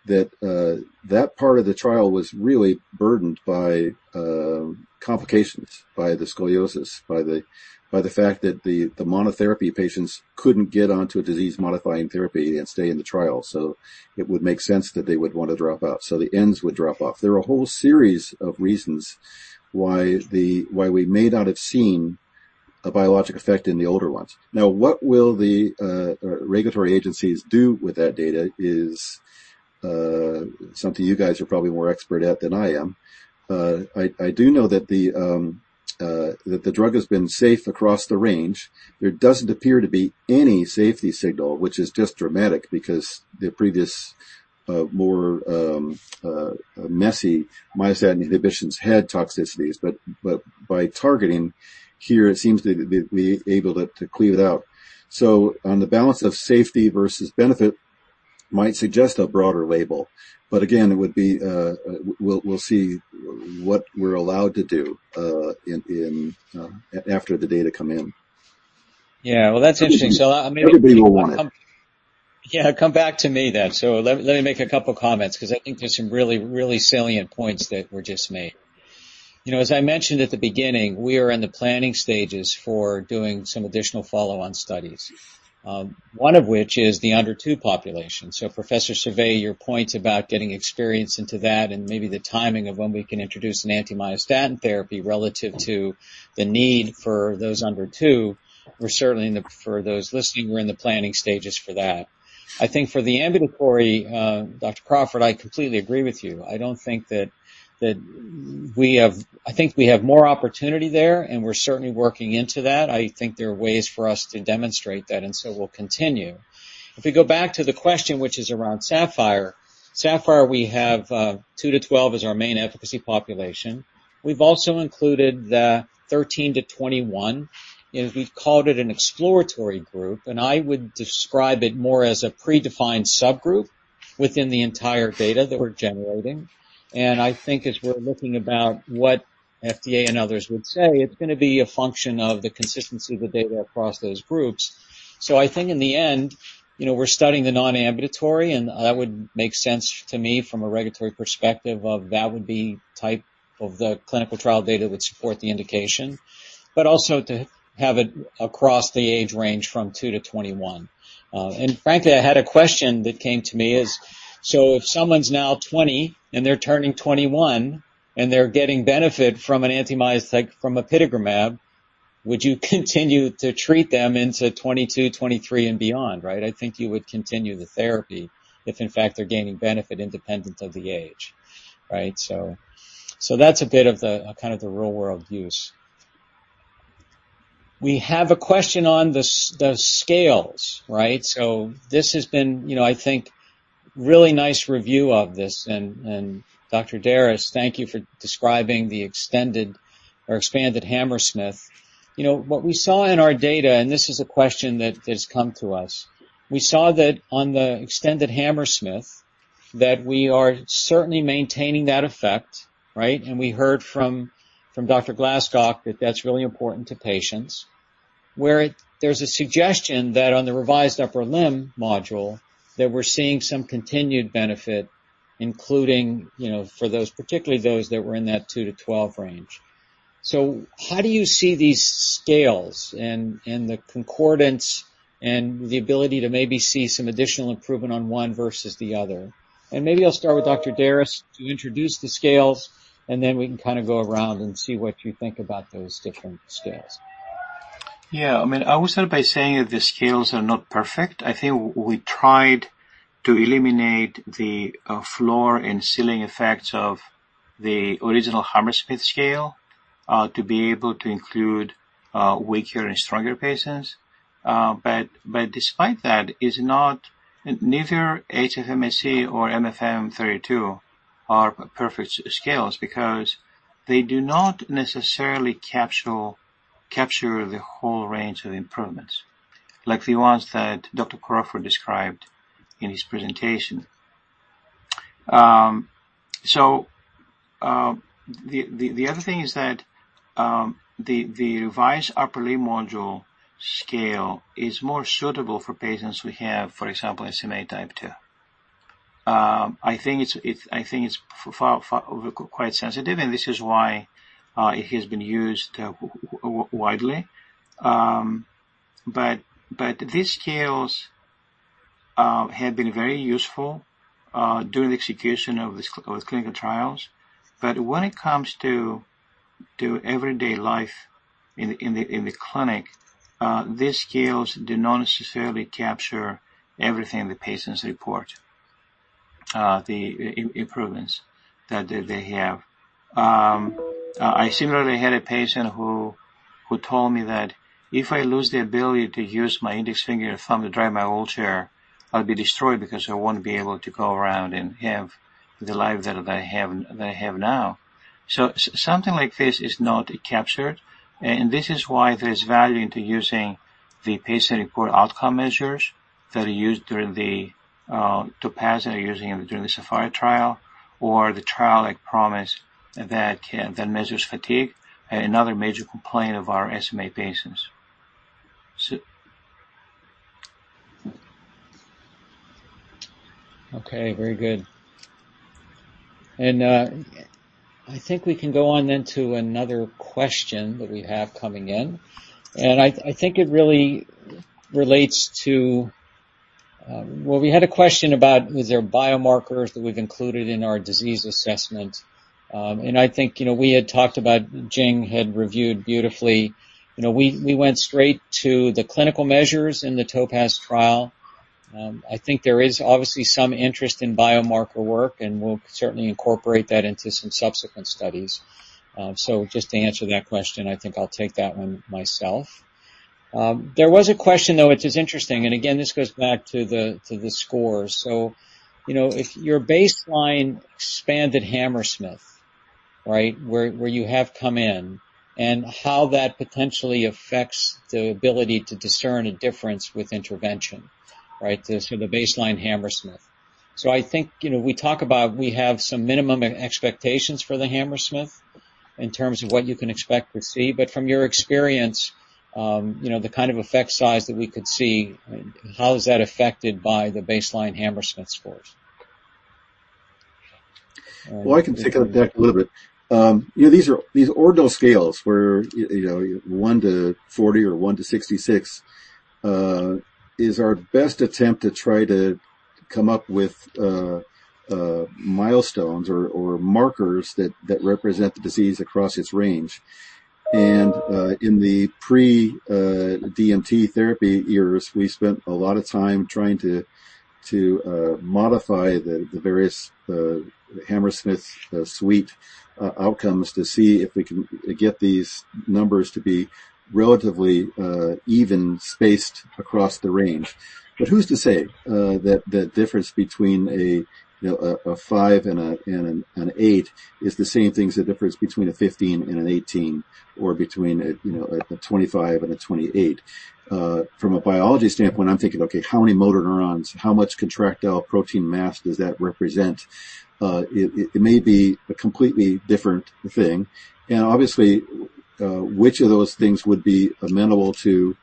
Speaker 7: that part of the trial was really burdened by complications, by the scoliosis, by the fact that the monotherapy patients couldn't get onto a disease-modifying therapy and stay in the trial. It would make sense that they would want to drop out, so the ends would drop off. There are a whole series of reasons why we may not have seen a biological effect in the older ones. What will the regulatory agencies do with that data is something you guys are probably more expert at than I am. I do know that the drug has been safe across the range. There doesn't appear to be any safety signal, which is just dramatic because the previous, more, messy myostatin inhibitions had toxicities. By targeting here, it seems that we're able to clear it out. On the balance of safety versus benefit, might suggest a broader label. Again, it would be. We'll see what we're allowed to do in after the data come in.
Speaker 2: Yeah, well, that's interesting.
Speaker 7: Everybody will want it.
Speaker 2: Yeah, come back to me. Let me make a couple comments because I think there's some really, really salient points that were just made. You know, as I mentioned at the beginning, we are in the planning stages for doing some additional follow-on studies, one of which is the under two population. Professor Servais, your point about getting experience into that and maybe the timing of when we can introduce an anti-myostatin therapy relative to the need for those under 2, for those listening, we're in the planning stages for that. I think for the ambulatory, Dr. Crawford, I completely agree with you. I don't think that we have more opportunity there, we're certainly working into that. I think there are ways for us to demonstrate that, we'll continue. If we go back to the question, which is around Sapphire. Sapphire, we have 2 to 12 as our main efficacy population. We've also included the 13 to 21, and we've called it an exploratory group, and I would describe it more as a predefined subgroup within the entire data that we're generating. I think as we're looking about what FDA and others would say, it's gonna be a function of the consistency of the data across those groups. I think in the end, you know, we're studying the non-ambulatory, and that would make sense to me from a regulatory perspective of that would be type of the clinical trial data that support the indication, but also to have it across the age range from 2 to 21. Frankly, I had a question that came to me is: If someone's now 20 and they're turning 21, and they're getting benefit from an anti-myos like from apitegromab, would you continue to treat them into 22, 23, and beyond, right? I think you would continue the therapy if, in fact, they're gaining benefit independent of the age. Right? That's a bit of the kind of the real-world use. We have a question on the scales, right? This has been, you know, I think, really nice review of this. And Dr. Darras, thank you for describing the extended or expanded Hammersmith. You know, what we saw in our data, and this is a question that has come to us. We saw that on the extended Hammersmith that we are certainly maintaining that effect, right? We heard from Dr. Glascock that that's really important to patients. Where it, there's a suggestion that on the Revised Upper Limb Module, that we're seeing some continued benefit, including, you know, for those, particularly those that were in that 2 to 12 range. How do you see these scales and the concordance and the ability to maybe see some additional improvement on one versus the other? Maybe I'll start with Dr. Darras to introduce the scales, and then we can kind of go around and see what you think about those different scales.
Speaker 3: Yeah, I mean, I will start by saying that the scales are not perfect. I think we tried to eliminate the floor and ceiling effects of the original Hammersmith scale to be able to include weaker and stronger patients. Despite that, neither HFMSE or MFM32 are perfect scales because they do not necessarily capture the whole range of improvements, like the ones that Dr. Crawford described in his presentation. The other thing is that the Revised Upper Limb Module scale is more suitable for patients who have, for example, SMA type 2. I think it's quite sensitive, and this is why it has been used widely. These scales have been very useful during the execution of this, of clinical trials. When it comes to everyday life in the clinic, these scales do not necessarily capture everything the patients report, the improvements that they have. I similarly had a patient who told me that, "If I lose the ability to use my index finger and thumb to drive my wheelchair, I'll be destroyed because I won't be able to go around and have the life that I have now." Something like this is not captured, and this is why there is value into using the patient-reported outcome measures that are used during the TOPAZ are using it during the SAPPHIRE trial, or the trial, like PROMIS, that measures fatigue, another major complaint of our SMA patients.
Speaker 2: Okay, very good. I think we can go on then to another question that we have coming in, I think it really relates to... Well, we had a question about, is there biomarkers that we've included in our disease assessment? I think, you know, we had talked about, Jing had reviewed beautifully. You know, we went straight to the clinical measures in the TOPAZ trial. I think there is obviously some interest in biomarker work, and we'll certainly incorporate that into some subsequent studies. Just to answer that question, I think I'll take that one myself. There was a question, though, which is interesting, and again, this goes back to the scores. You know, if your baseline expanded Hammersmith, right, where you have come in, and how that potentially affects the ability to discern a difference with intervention, right? The sort of baseline Hammersmith. I think, you know, we talk about we have some minimum expectations for the Hammersmith in terms of what you can expect to see, but from your experience, you know, the kind of effect size that we could see, how is that affected by the baseline Hammersmith scores?
Speaker 7: Well, I can take on that a little bit. You know, these ordinal scales, where, you know, 1 to 40 or 1 to 66, is our best attempt to try to come up with milestones or markers that represent the disease across its range. In the pre-DMT therapy years, we spent a lot of time trying to modify the various Hammersmith suite outcomes to see if we can get these numbers to be relatively even spaced across the range. Who's to say that the difference between a, you know, a 5 and an 8 is the same thing as the difference between a 15 and an 18, or between a, you know, a 25 and a 28? From a biology standpoint, I'm thinking: Okay, how many motor neurons, how much contractile protein mass does that represent? It may be a completely different thing. Obviously, which of those things would be amenable to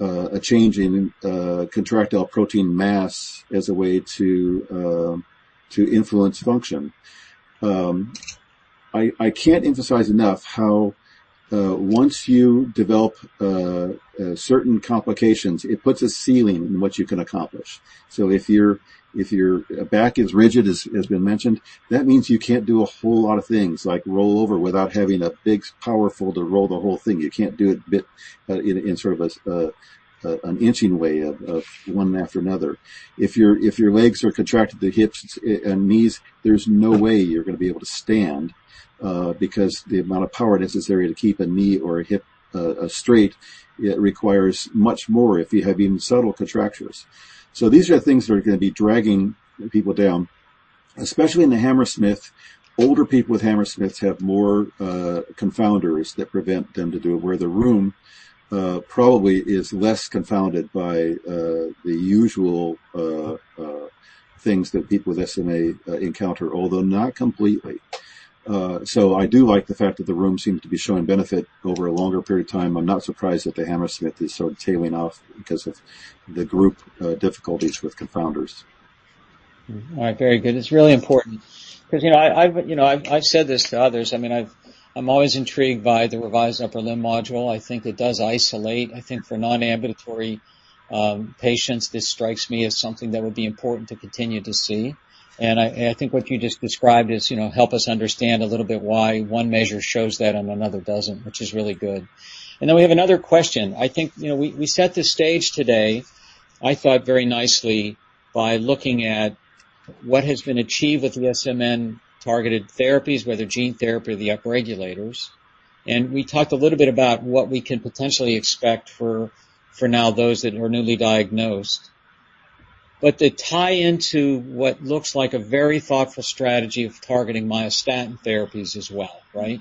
Speaker 7: a change in contractile protein mass as a way to influence function? I can't emphasize enough how once you develop certain complications, it puts a ceiling on what you can accomplish. If your back is rigid, as been mentioned, that means you can't do a whole lot of things, like roll over without having a big power folder roll the whole thing. You can't do it bit in sort of an inching way of one after another. If your, if your legs are contracted at the hips and knees, there's no way you're gonna be able to stand, because the amount of power necessary to keep a knee or a hip straight, it requires much more if you have even subtle contractures. These are things that are gonna be dragging people down, especially in the Hammersmith. Older people with Hammersmiths have more confounders that prevent them to do it, where the RULM probably is less confounded by the usual things that people with SMA encounter, although not completely. I do like the fact that the RULM seems to be showing benefit over a longer period of time. I'm not surprised that the Hammersmith is sort of tailing off because of the group difficulties with confounders.
Speaker 2: All right, very good. It's really important. 'Cause, you know, I've said this to others. I mean, I'm always intrigued by the Revised Upper Limb Module. I think it does isolate. I think for non-ambulatory patients, this strikes me as something that would be important to continue to see. I think what you just described is, you know, help us understand a little bit why one measure shows that and another doesn't, which is really good. We have another question. I think, you know, we set the stage today, I thought, very nicely by looking at what has been achieved with the SMN-targeted therapies, whether gene therapy or the upregulators. We talked a little bit about what we can potentially expect for now those that are newly diagnosed. To tie into what looks like a very thoughtful strategy of targeting myostatin therapies as well, right?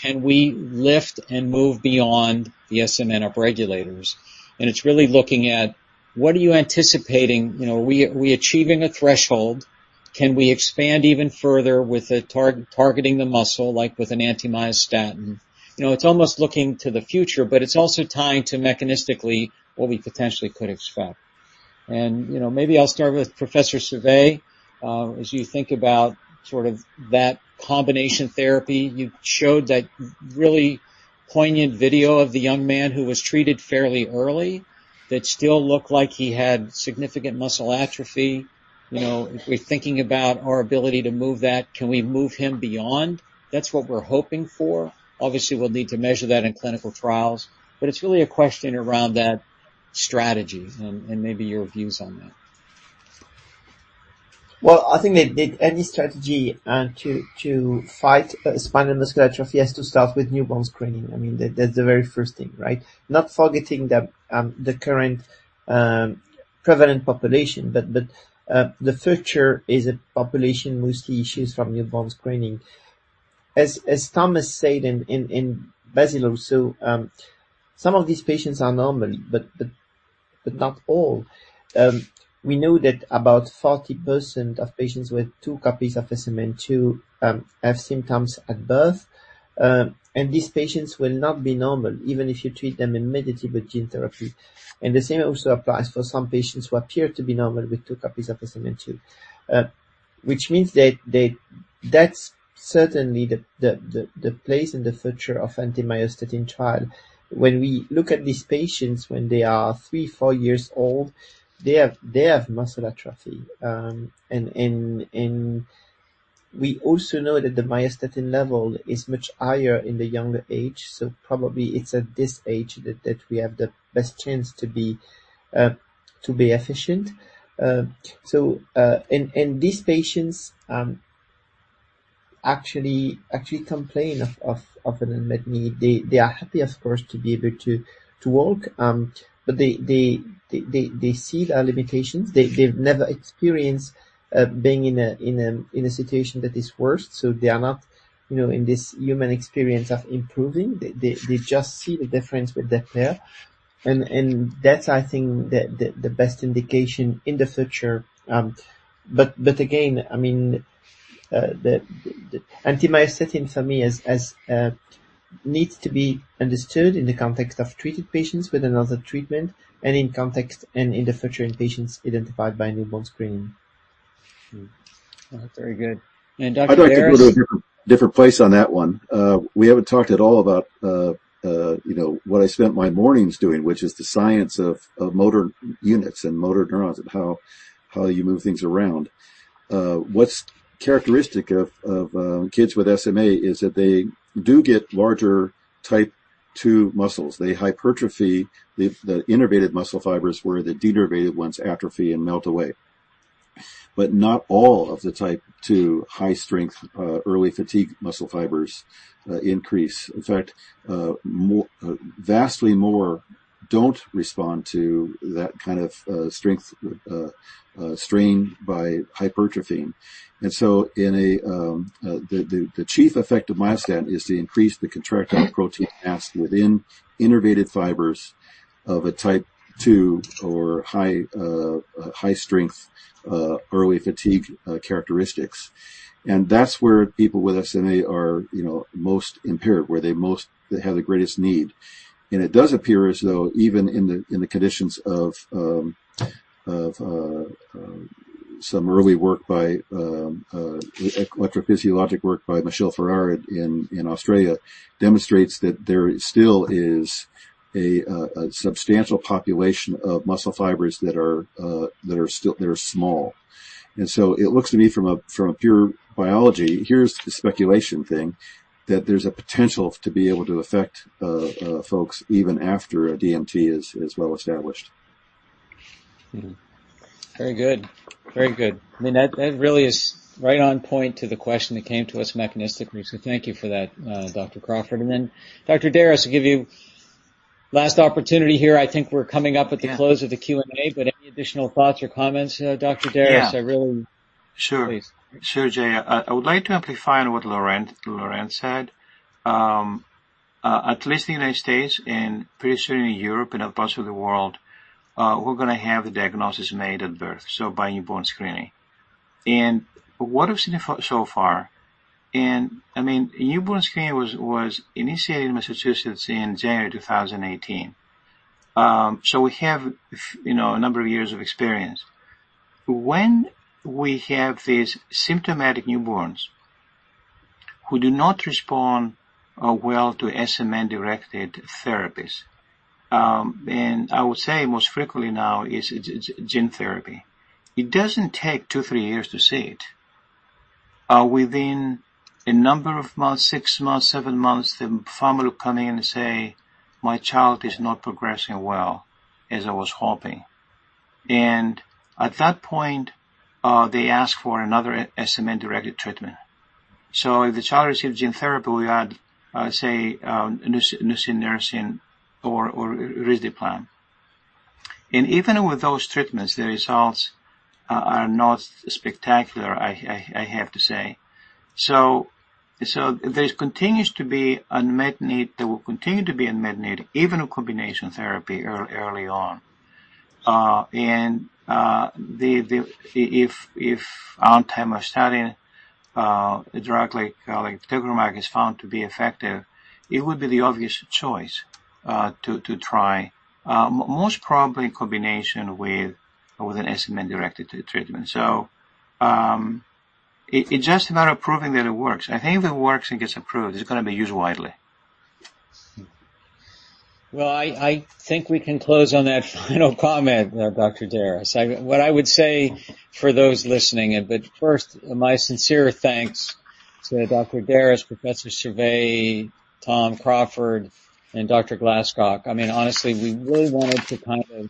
Speaker 2: Can we lift and move beyond the SMN upregulators? It's really looking at what are you anticipating? You know, are we achieving a threshold? Can we expand even further with targeting the muscle, like with an anti-myostatin? You know, it's almost looking to the future, but it's also tying to mechanistically what we potentially could expect. You know, maybe I'll start with Professor Servais. As you think about sort of that combination therapy, you showed that really poignant video of the young man who was treated fairly early, that still looked like he had significant muscle atrophy. You know, if we're thinking about our ability to move that, can we move him beyond? That's what we're hoping for. Obviously, we'll need to measure that in clinical trials. It's really a question around that strategy and maybe your views on that.
Speaker 4: Well, I think that any strategy to fight spinal muscular atrophy has to start with newborn screening. I mean, that's the very first thing, right? Not forgetting the current prevalent population, but the future is a population mostly issues from newborn screening. As Tom Crawford said in Basel also, some of these patients are normal, but not all. We know that about 40% of patients with two copies of SMN2 have symptoms at birth. These patients will not be normal even if you treat them immediately with gene therapy. The same also applies for some patients who appear to be normal with two copies of SMN2. Which means that's certainly the place in the future of anti-myostatin trial. When we look at these patients, when they are three, four years old, they have muscle atrophy. We also know that the myostatin level is much higher in the younger age. Probably it's at this age that we have the best chance to be efficient. These patients actually complain of often than not. They are happy, of course, to be able to walk, but they see their limitations. They've never experienced being in a situation that is worse, so they are not, you know, in this human experience of improving. They just see the difference with their pair. That's, I think, the best indication in the future. Again, I mean, the anti-myostatin for me is, has, needs to be understood in the context of treated patients with another treatment and in context and in the future in patients identified by newborn screening.
Speaker 2: very good. Dr. Darras.
Speaker 7: I'd like to go to a different place on that one. We haven't talked at all about, you know, what I spent my mornings doing, which is the science of motor units and motor neurons and how you move things around. What's characteristic of kids with SMA is that they do get larger type 2 muscles. They hypertrophy the innervated muscle fibers, where the denervated ones atrophy and melt away. But not all of the type 2 high strength, early fatigue muscle fibers increase. In fact, more, vastly more don't respond to that kind of strength, strain by hypertrophy. In a, the chief effect of myostatin is to increase the contractile protein mass within innervated fibers of a type 2 or high, high strength, early fatigue characteristics. That's where people with SMA are, you know, most impaired, where they have the greatest need. It does appear as though even in the, in the conditions of some early work by electrophysiologic work by Michelle Farrar in Australia, demonstrates that there still is a substantial population of muscle fibers that are that are small. It looks to me from a, from a pure biology, here's the speculation thing, that there's a potential to be able to affect folks even after a DMT is well established.
Speaker 2: Mm-hmm. Very good. Very good. I mean, that really is right on point to the question that came to us mechanistically. Thank you for that, Dr. Crawford. Dr. Darras, I'll give you last opportunity here. I think we're coming up with the-
Speaker 3: Yeah.
Speaker 2: close of the Q&A, but any additional thoughts or comments, Dr. Darras?
Speaker 3: Yeah.
Speaker 2: I really.
Speaker 3: Sure.
Speaker 2: Please.
Speaker 3: Sure, Jay. I would like to amplify on what Laurent said. At least the United States and pretty soon in Europe and other parts of the world, we're gonna have a diagnosis made at birth, so by newborn screening. What we've seen so far, and, I mean, newborn screening was initiated in Massachusetts in January 2018. So we have, you know, a number of years of experience. When we have these symptomatic newborns who do not respond, well to SMN-directed therapies, and I would say most frequently now is gene therapy. It doesn't take two, three years to see it. Within a number of months, 6 months, 7 months, the family will come in and say, "My child is not progressing well as I was hoping." At that point, they ask for another SMN-directed treatment. If the child receives gene therapy, we add nusinersen or risdiplam. Even with those treatments, the results are not spectacular, I have to say. There continues to be unmet need. There will continue to be unmet need, even with combination therapy early on. If on time our study, a drug like apitegromab is found to be effective, it would be the obvious choice to try. Most probably in combination with an SMN-directed treatment. It's just a matter of proving that it works. I think if it works and gets approved, it's gonna be used widely.
Speaker 2: Well, I think we can close on that final comment there, Dr. Darras. What I would say for those listening, first, my sincere thanks to Dr. Darras, Professor Servais, Tom Crawford, and Dr. Glascock. I mean, honestly, we really wanted to kind of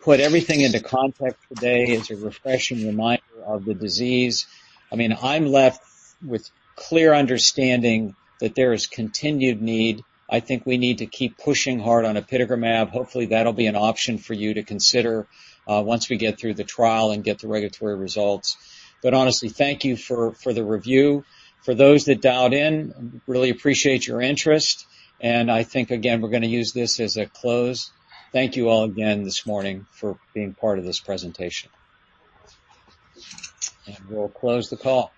Speaker 2: put everything into context today as a refreshing reminder of the disease. I mean, I'm left with clear understanding that there is continued need. I think we need to keep pushing hard on apitegromab. Hopefully, that'll be an option for you to consider once we get through the trial and get the regulatory results. Honestly, thank you for the review. For those that dialed in, really appreciate your interest, and I think, again, we're gonna use this as a close. Thank you all again this morning for being part of this presentation. We'll close the call.